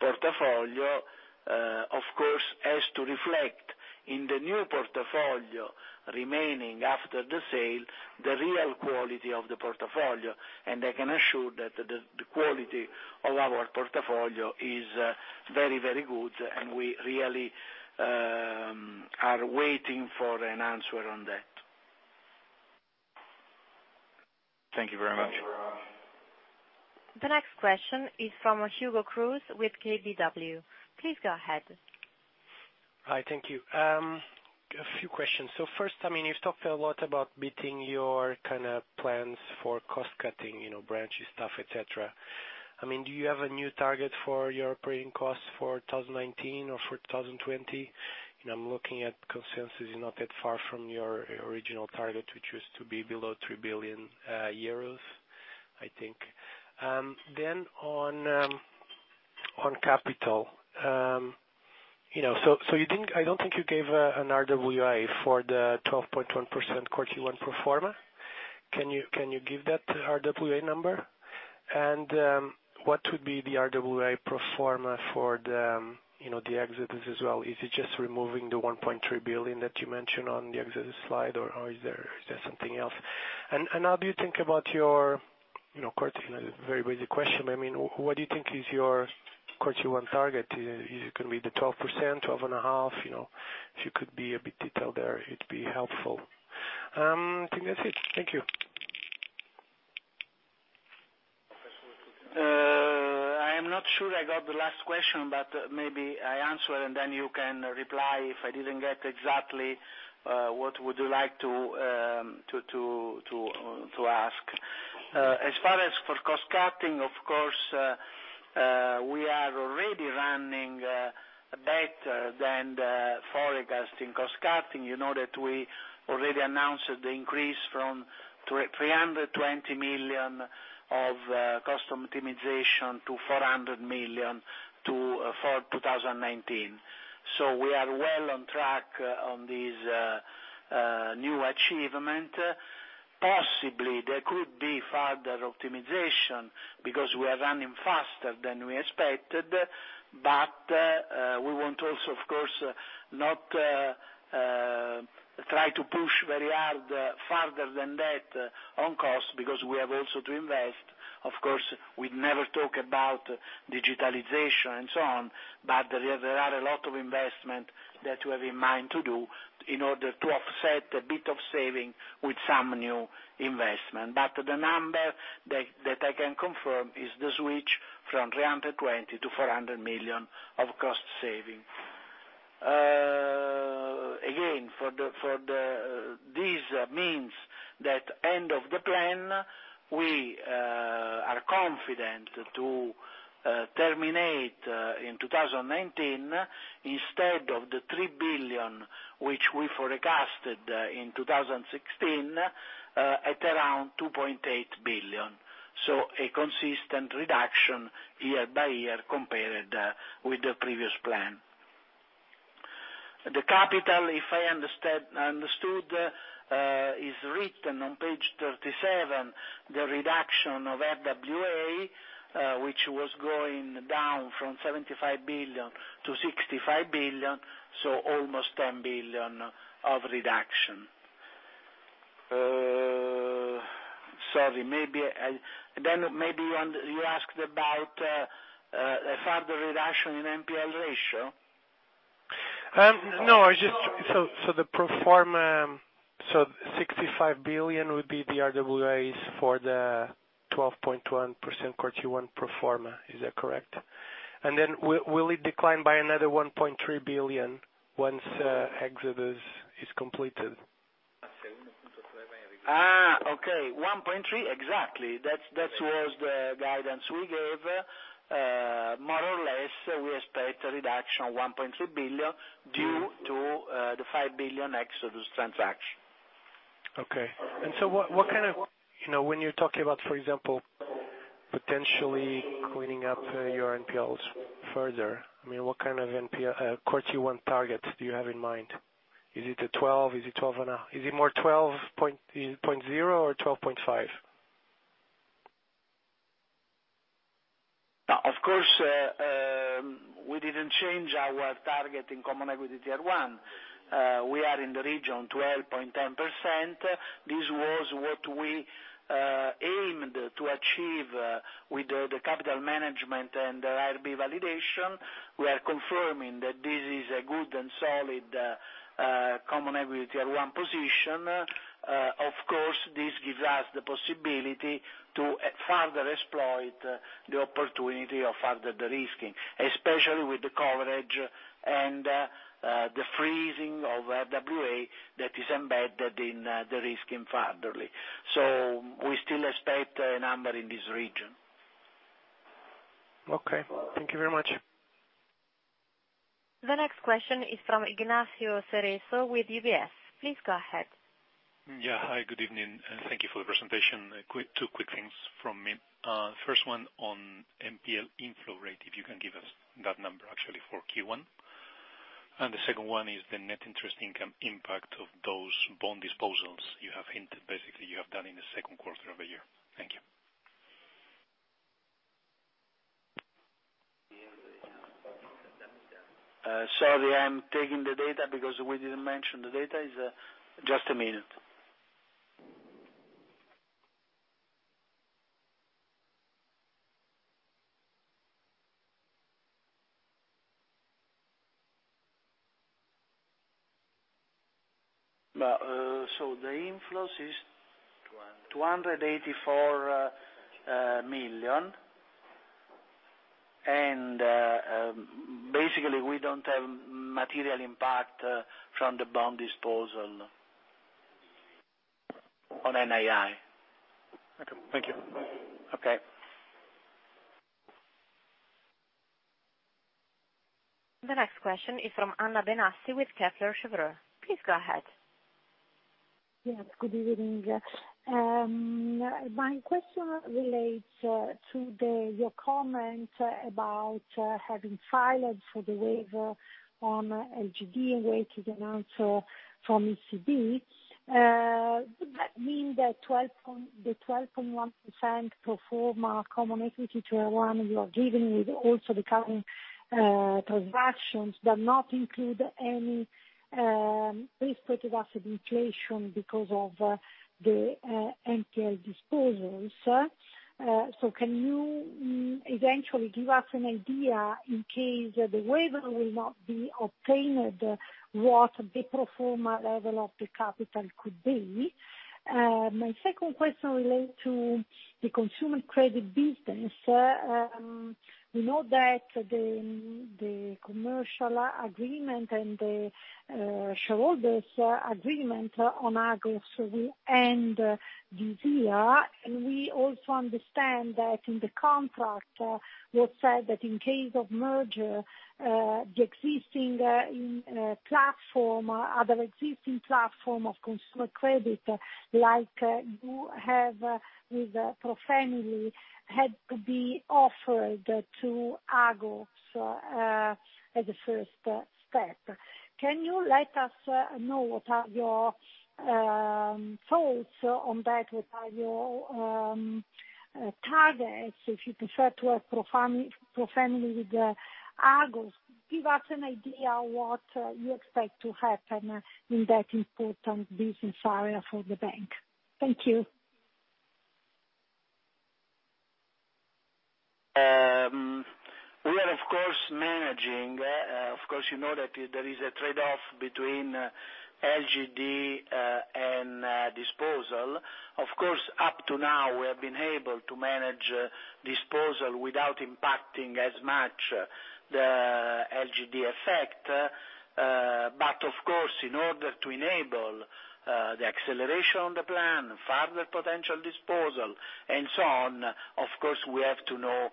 portfolio, of course, has to reflect in the new portfolio remaining after the sale, the real quality of the portfolio. I can assure that the quality of our portfolio is very good, and we really are waiting for an answer on that. Thank you very much. The next question is from Hugo Cruz with KBW. Please go ahead. Hi. Thank you. A few questions. First, you've talked a lot about beating your plans for cost-cutting, branches, staff, et cetera. Do you have a new target for your operating costs for 2019 or for 2020? I'm looking at consensus, not that far from your original target, which was to be below 3 billion euros, I think. On capital. I don't think you gave an RWA for the 12.1% Q1 pro forma. Can you give that RWA number? And what would be the RWA pro forma for the Exodus as well? Is it just removing the 1.3 billion that you mentioned on the Exodus slide, or is there something else? And how do you think about your very basic question, what do you think is your Q1 target? Is it going to be the 12%, 12.5%? If you could be a bit detailed there, it'd be helpful. I think that's it. Thank you. I am not sure I got the last question, Maybe I answer and then you can reply if I didn't get exactly what would you like to ask. As far as for cost-cutting, of course, we are already running better than the forecast in cost-cutting. You know that we already announced the increase from 320 million of cost optimization to 400 million for 2019. We are well on track on this new achievement. Possibly, there could be further optimization because we are running faster than we expected. We want also, of course, not try to push very hard further than that on cost, because we have also to invest. Of course, we never talk about digitalization and so on, but there are a lot of investment that we have in mind to do in order to offset a bit of saving with some new investment. The number that I can confirm is the switch from 320 million to 400 million of cost saving. Again, this means that end of the plan, we are confident to terminate in 2019 instead of the 3 billion which we forecasted in 2016, at around 2.8 billion. A consistent reduction year by year compared with the previous plan. The capital, if I understood, is written on page 37, the reduction of RWA, which was going down from 75 billion to 65 billion, almost 10 billion of reduction. Sorry, maybe you asked about a further reduction in NPL ratio? No. The pro forma, 65 billion would be the RWAs for the 12.1% Q1 pro forma, is that correct? Will it decline by another 1.3 billion once Exodus is completed? 1.3, exactly. That was the guidance we gave. More or less, we expect a reduction of 1.3 billion due to the 5 billion Exodus transaction. When you're talking about, for example, potentially cleaning up your NPLs further, what kind of Q1 targets do you have in mind? Is it a 12%? Is it 12.0% or 12.5%? Of course, we didn't change our target in Common Equity Tier 1. We are in the region 12.10%. This was what we aimed to achieve with the capital management and the IRB validation. We are confirming that this is a good and solid Common Equity Tier 1 position. Of course, this gives us the possibility to further exploit the opportunity of further de-risking, especially with the coverage and the freezing of RWA that is embedded in de-risking furtherly. We still expect a number in this region. Thank you very much. The next question is from Ignacio Cerezo with UBS. Please go ahead. Hi, good evening, and thank you for the presentation. Two quick things from me. First one on NPL inflow rate, if you can give us that number actually for Q1. The second one is the net interest income impact of those bond disposals you have hinted, basically, you have done in the second quarter of the year. Thank you. Sorry, I'm taking the data because we didn't mention the data. Just a minute. The inflows is 284 million. Basically, we don't have material impact from the bond disposal on NII. Okay. Thank you. Okay. The next question is from Anna Benassi with Kepler Cheuvreux. Please go ahead. Yes, good evening. My question relates to your comment about having filed for the waiver on LGD and waiting an answer from ECB. Would that mean the 12.1% pro forma Common Equity Tier 1 you are given with also the current transactions does not include any risk-weighted asset inflation because of the NPL disposals? Can you eventually give us an idea in case the waiver will not be obtained, what the pro forma level of the capital could be? My second question relates to the consumer credit business. We know that the commercial agreement and the shareholders' agreement on Agos will end this year, and we also understand that in the contract, you have said that in case of merger, the existing platform, other existing platform of consumer credit, like you have with ProFamily, had to be offered to Agos as a first step. Can you let us know what are your thoughts on that? What are your targets, if you prefer to have ProFamily with Agos? Give us an idea what you expect to happen in that important business area for the bank. Thank you. We are, of course, managing. Of course, you know that there is a trade-off between LGD and disposal. Of course, up to now, we have been able to manage disposal without impacting as much the LGD effect. Of course, in order to enable the acceleration of the plan, further potential disposal, and so on, of course, we have to know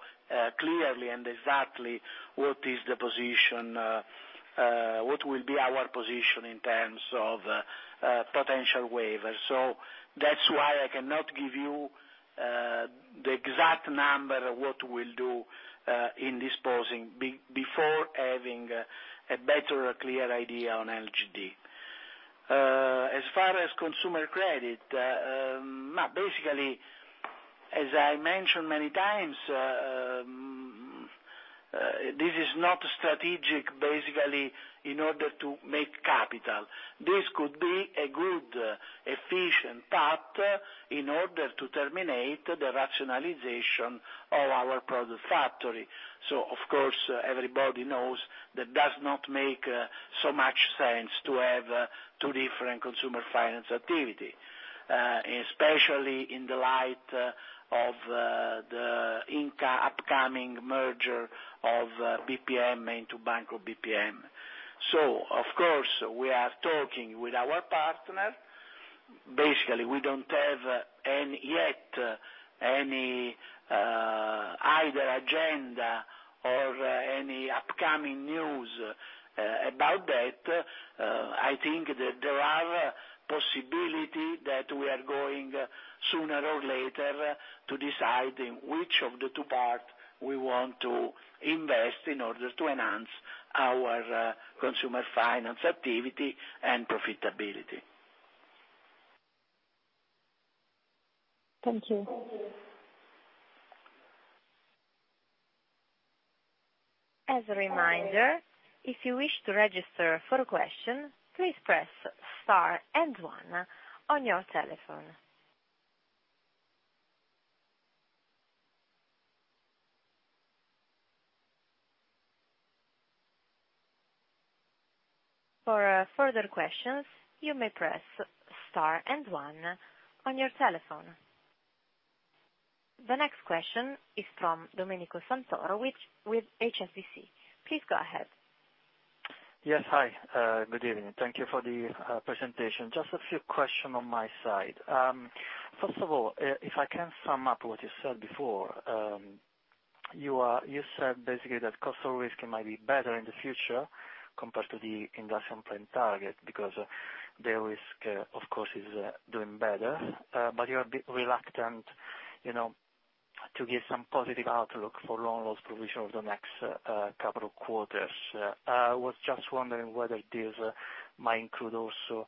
clearly and exactly what will be our position in terms of potential waiver. That's why I cannot give you the exact number what we'll do in disposing before having a better, clear idea on LGD. As far as consumer credit, basically, as I mentioned many times, this is not strategic basically in order to make capital. This could be a good, efficient path in order to terminate the rationalization of our product factory. Of course, everybody knows that does not make so much sense to have two different consumer finance activity, especially in the light of the upcoming merger of BPM into Banco BPM. Of course, we are talking with our partner. Basically, we don't have yet any either agenda or any upcoming news about that. I think that there are possibility that we are going sooner or later to decide which of the two parts we want to invest in order to enhance our consumer finance activity and profitability. Thank you. As a reminder, if you wish to register for a question, please press star and one on your telephone. For further questions, you may press star and one on your telephone. The next question is from Domenico Santoro with HSBC. Please go ahead. Yes, hi. Good evening. Thank you for the presentation. Just a few questions on my side. First of all, if I can sum up what you said before. You said basically that cost of risk might be better in the future compared to the Industrial Plan target because the risk, of course, is doing better. You are a bit reluctant to give some positive outlook for loan loss provision over the next couple of quarters. I was just wondering whether this might include also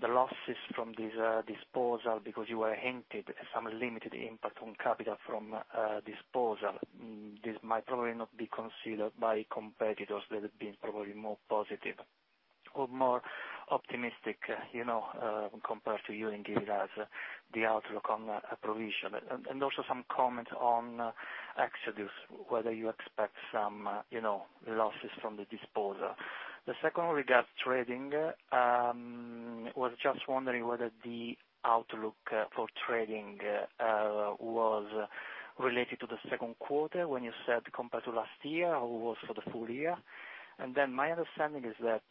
the losses from this disposal because you were hinted at some limited impact on capital from disposal. This might probably not be considered by competitors that have been probably more positive or more optimistic compared to you in giving us the outlook on provision. Also some comment on Exodus, whether you expect some losses from the disposal. The second regards trading. I was just wondering whether the outlook for trading was related to the second quarter when you said compared to last year or was for the full year. My understanding is that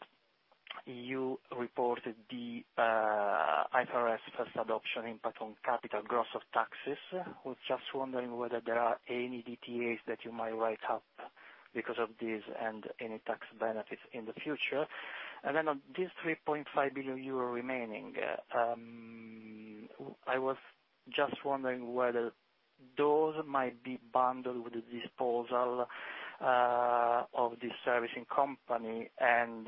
you reported the IFRS First Adoption impact on capital gross of taxes. I was just wondering whether there are any DTAs that you might write up because of this and any tax benefits in the future. On this 3.5 billion euro remaining, I was just wondering whether those might be bundled with the disposal of the servicing company, and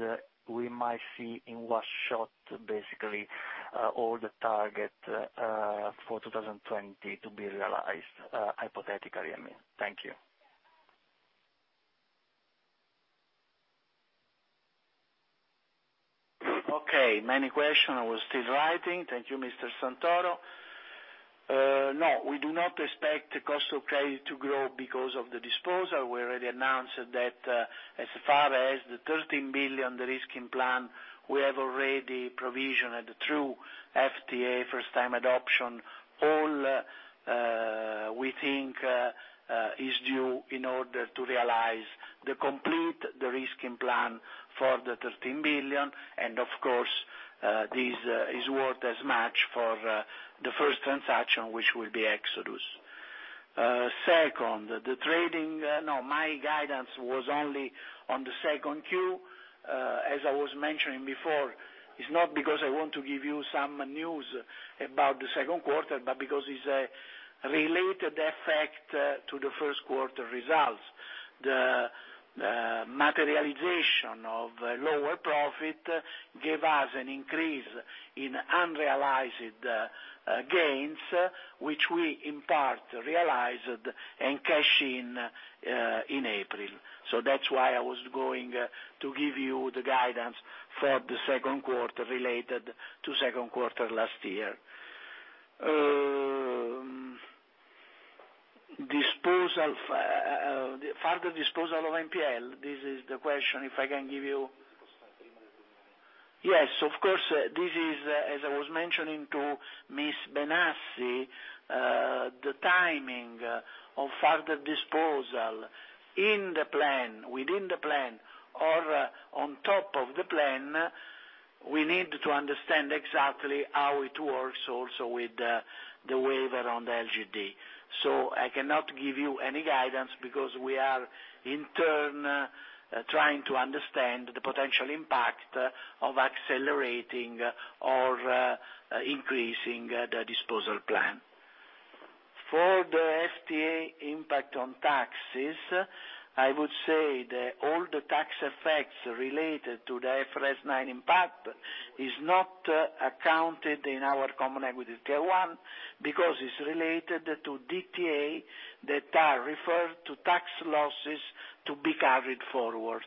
we might see in one shot, basically, all the target for 2020 to be realized, hypothetically, I mean. Thank you. Okay. Many question I was still writing. Thank you, Mr. Santoro. No, we do not expect the cost of credit to grow because of the disposal. We already announced that as far as the 13 billion de-risking plan, we have already provisioned through FTA, First-Time Adoption. All we think is due in order to realize the complete de-risking plan for the 13 billion, and of course, this is worth as much for the first transaction, which will be Exodus. Second, the trading. No, my guidance was only on the second Q. As I was mentioning before, it's not because I want to give you some news about the second quarter, but because it's a related effect to the first quarter results. The materialization of lower profit gave us an increase in unrealized gains, which we in part realized and cash in April. That's why I was going to give you the guidance for the second quarter related to second quarter last year. Further disposal of NPLs, this is the question. If I can give you, as I was mentioning to Ms. Benassi, the timing of further disposal in the plan, within the plan or on top of the plan, we need to understand exactly how it works also with the waiver on the LGD. I cannot give you any guidance because we are, in turn, trying to understand the potential impact of accelerating or increasing the disposal plan. For the FTA impact on taxes, I would say that all the tax effects related to the IFRS 9 impact is not accounted in our Common Equity Tier 1 because it's related to DTA that are referred to tax losses to be carried forward.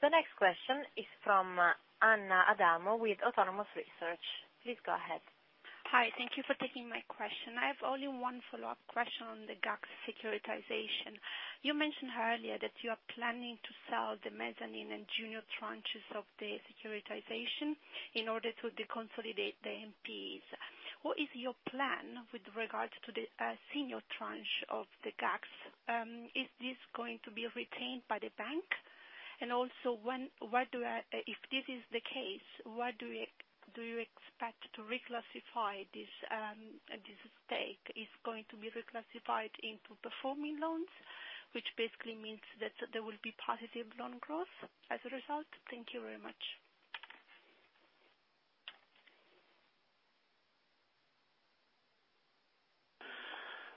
The next question is from Anna Adamo with Autonomous Research. Please go ahead. Hi. Thank you for taking my question. I have only one follow-up question on the GACS securitization. You mentioned earlier that you are planning to sell the mezzanine and junior tranches of the securitization in order to deconsolidate the NPLs. What is your plan with regards to the senior tranche of the GACS? Is this going to be retained by the bank? If this is the case, do you expect to reclassify this stake into performing loans, which basically means that there will be positive loan growth as a result? Thank you very much.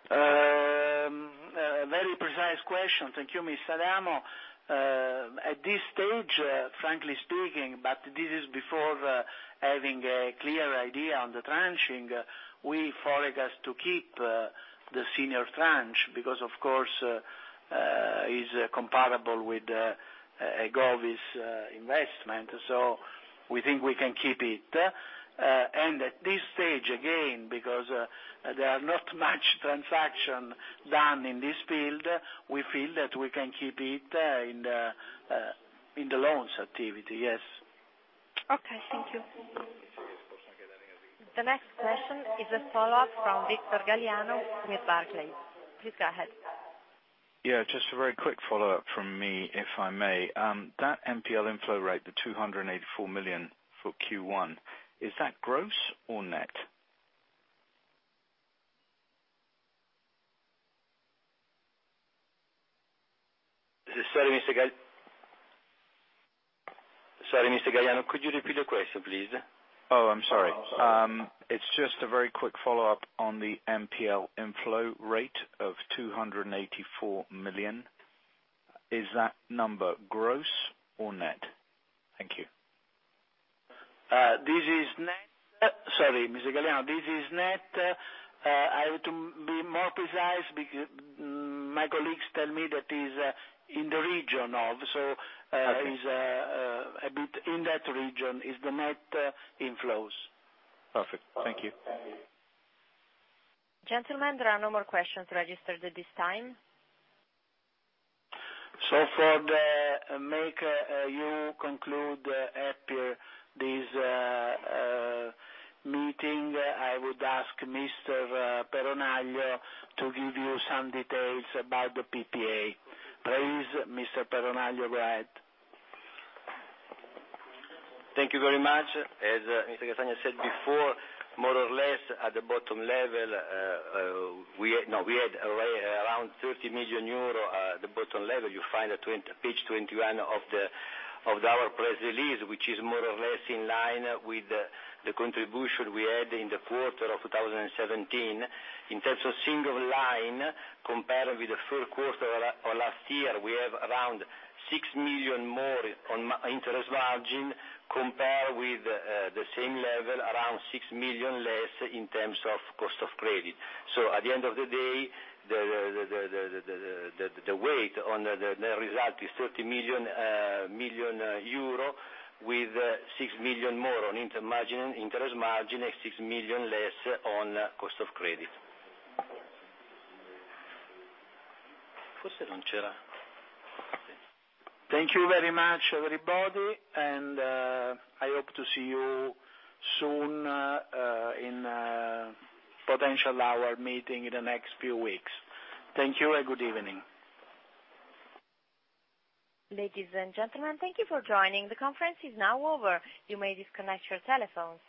A very precise question. Thank you, Ms. Adamo. At this stage, frankly speaking, but this is before having a clear idea on the tranching, we forecast to keep the senior tranche because, of course, it's compatible with a GACS investment. We think we can keep it. At this stage, again, because there are not much transaction done in this field, we feel that we can keep it in the loans activity, yes. Okay. Thank you. The next question is a follow-up from Victor Galliano with Barclays. Please go ahead. Yeah, just a very quick follow-up from me, if I may. That NPL inflow rate, the 284 million for Q1, is that gross or net? Sorry, Mr. Galliano, could you repeat the question, please? Oh, I'm sorry. It's just a very quick follow-up on the NPL inflow rate of 284 million. Is that number gross or net? Thank you. Sorry, Mr. Galliano. This is net. I have to be more precise, my colleagues tell me that is in the region of, is a bit in that region, is the net inflows. Perfect. Thank you. Gentlemen, there are no more questions registered at this time. For the make you conclude happy this meeting, I would ask Mr. Peronaggio to give you some details about the PPA. Please, Mr. Peronaggio, go ahead. Thank you very much. As Mr. Castagna said before, more or less at the bottom level, we had around 30 million euro at the bottom level. You find page 21 of our press release, which is more or less in line with the contribution we had in the quarter of 2017. In terms of single line, compared with the full quarter of last year, we have around 6 million more on interest margin compared with the same level, around 6 million less in terms of cost of credit. At the end of the day, the weight on the result is 30 million euro with 6 million more on interest margin, and 6 million less on cost of credit. Thank you very much, everybody, I hope to see you soon in a potential hour meeting in the next few weeks. Thank you and good evening. Ladies and gentlemen, thank you for joining. The conference is now over. You may disconnect your telephones.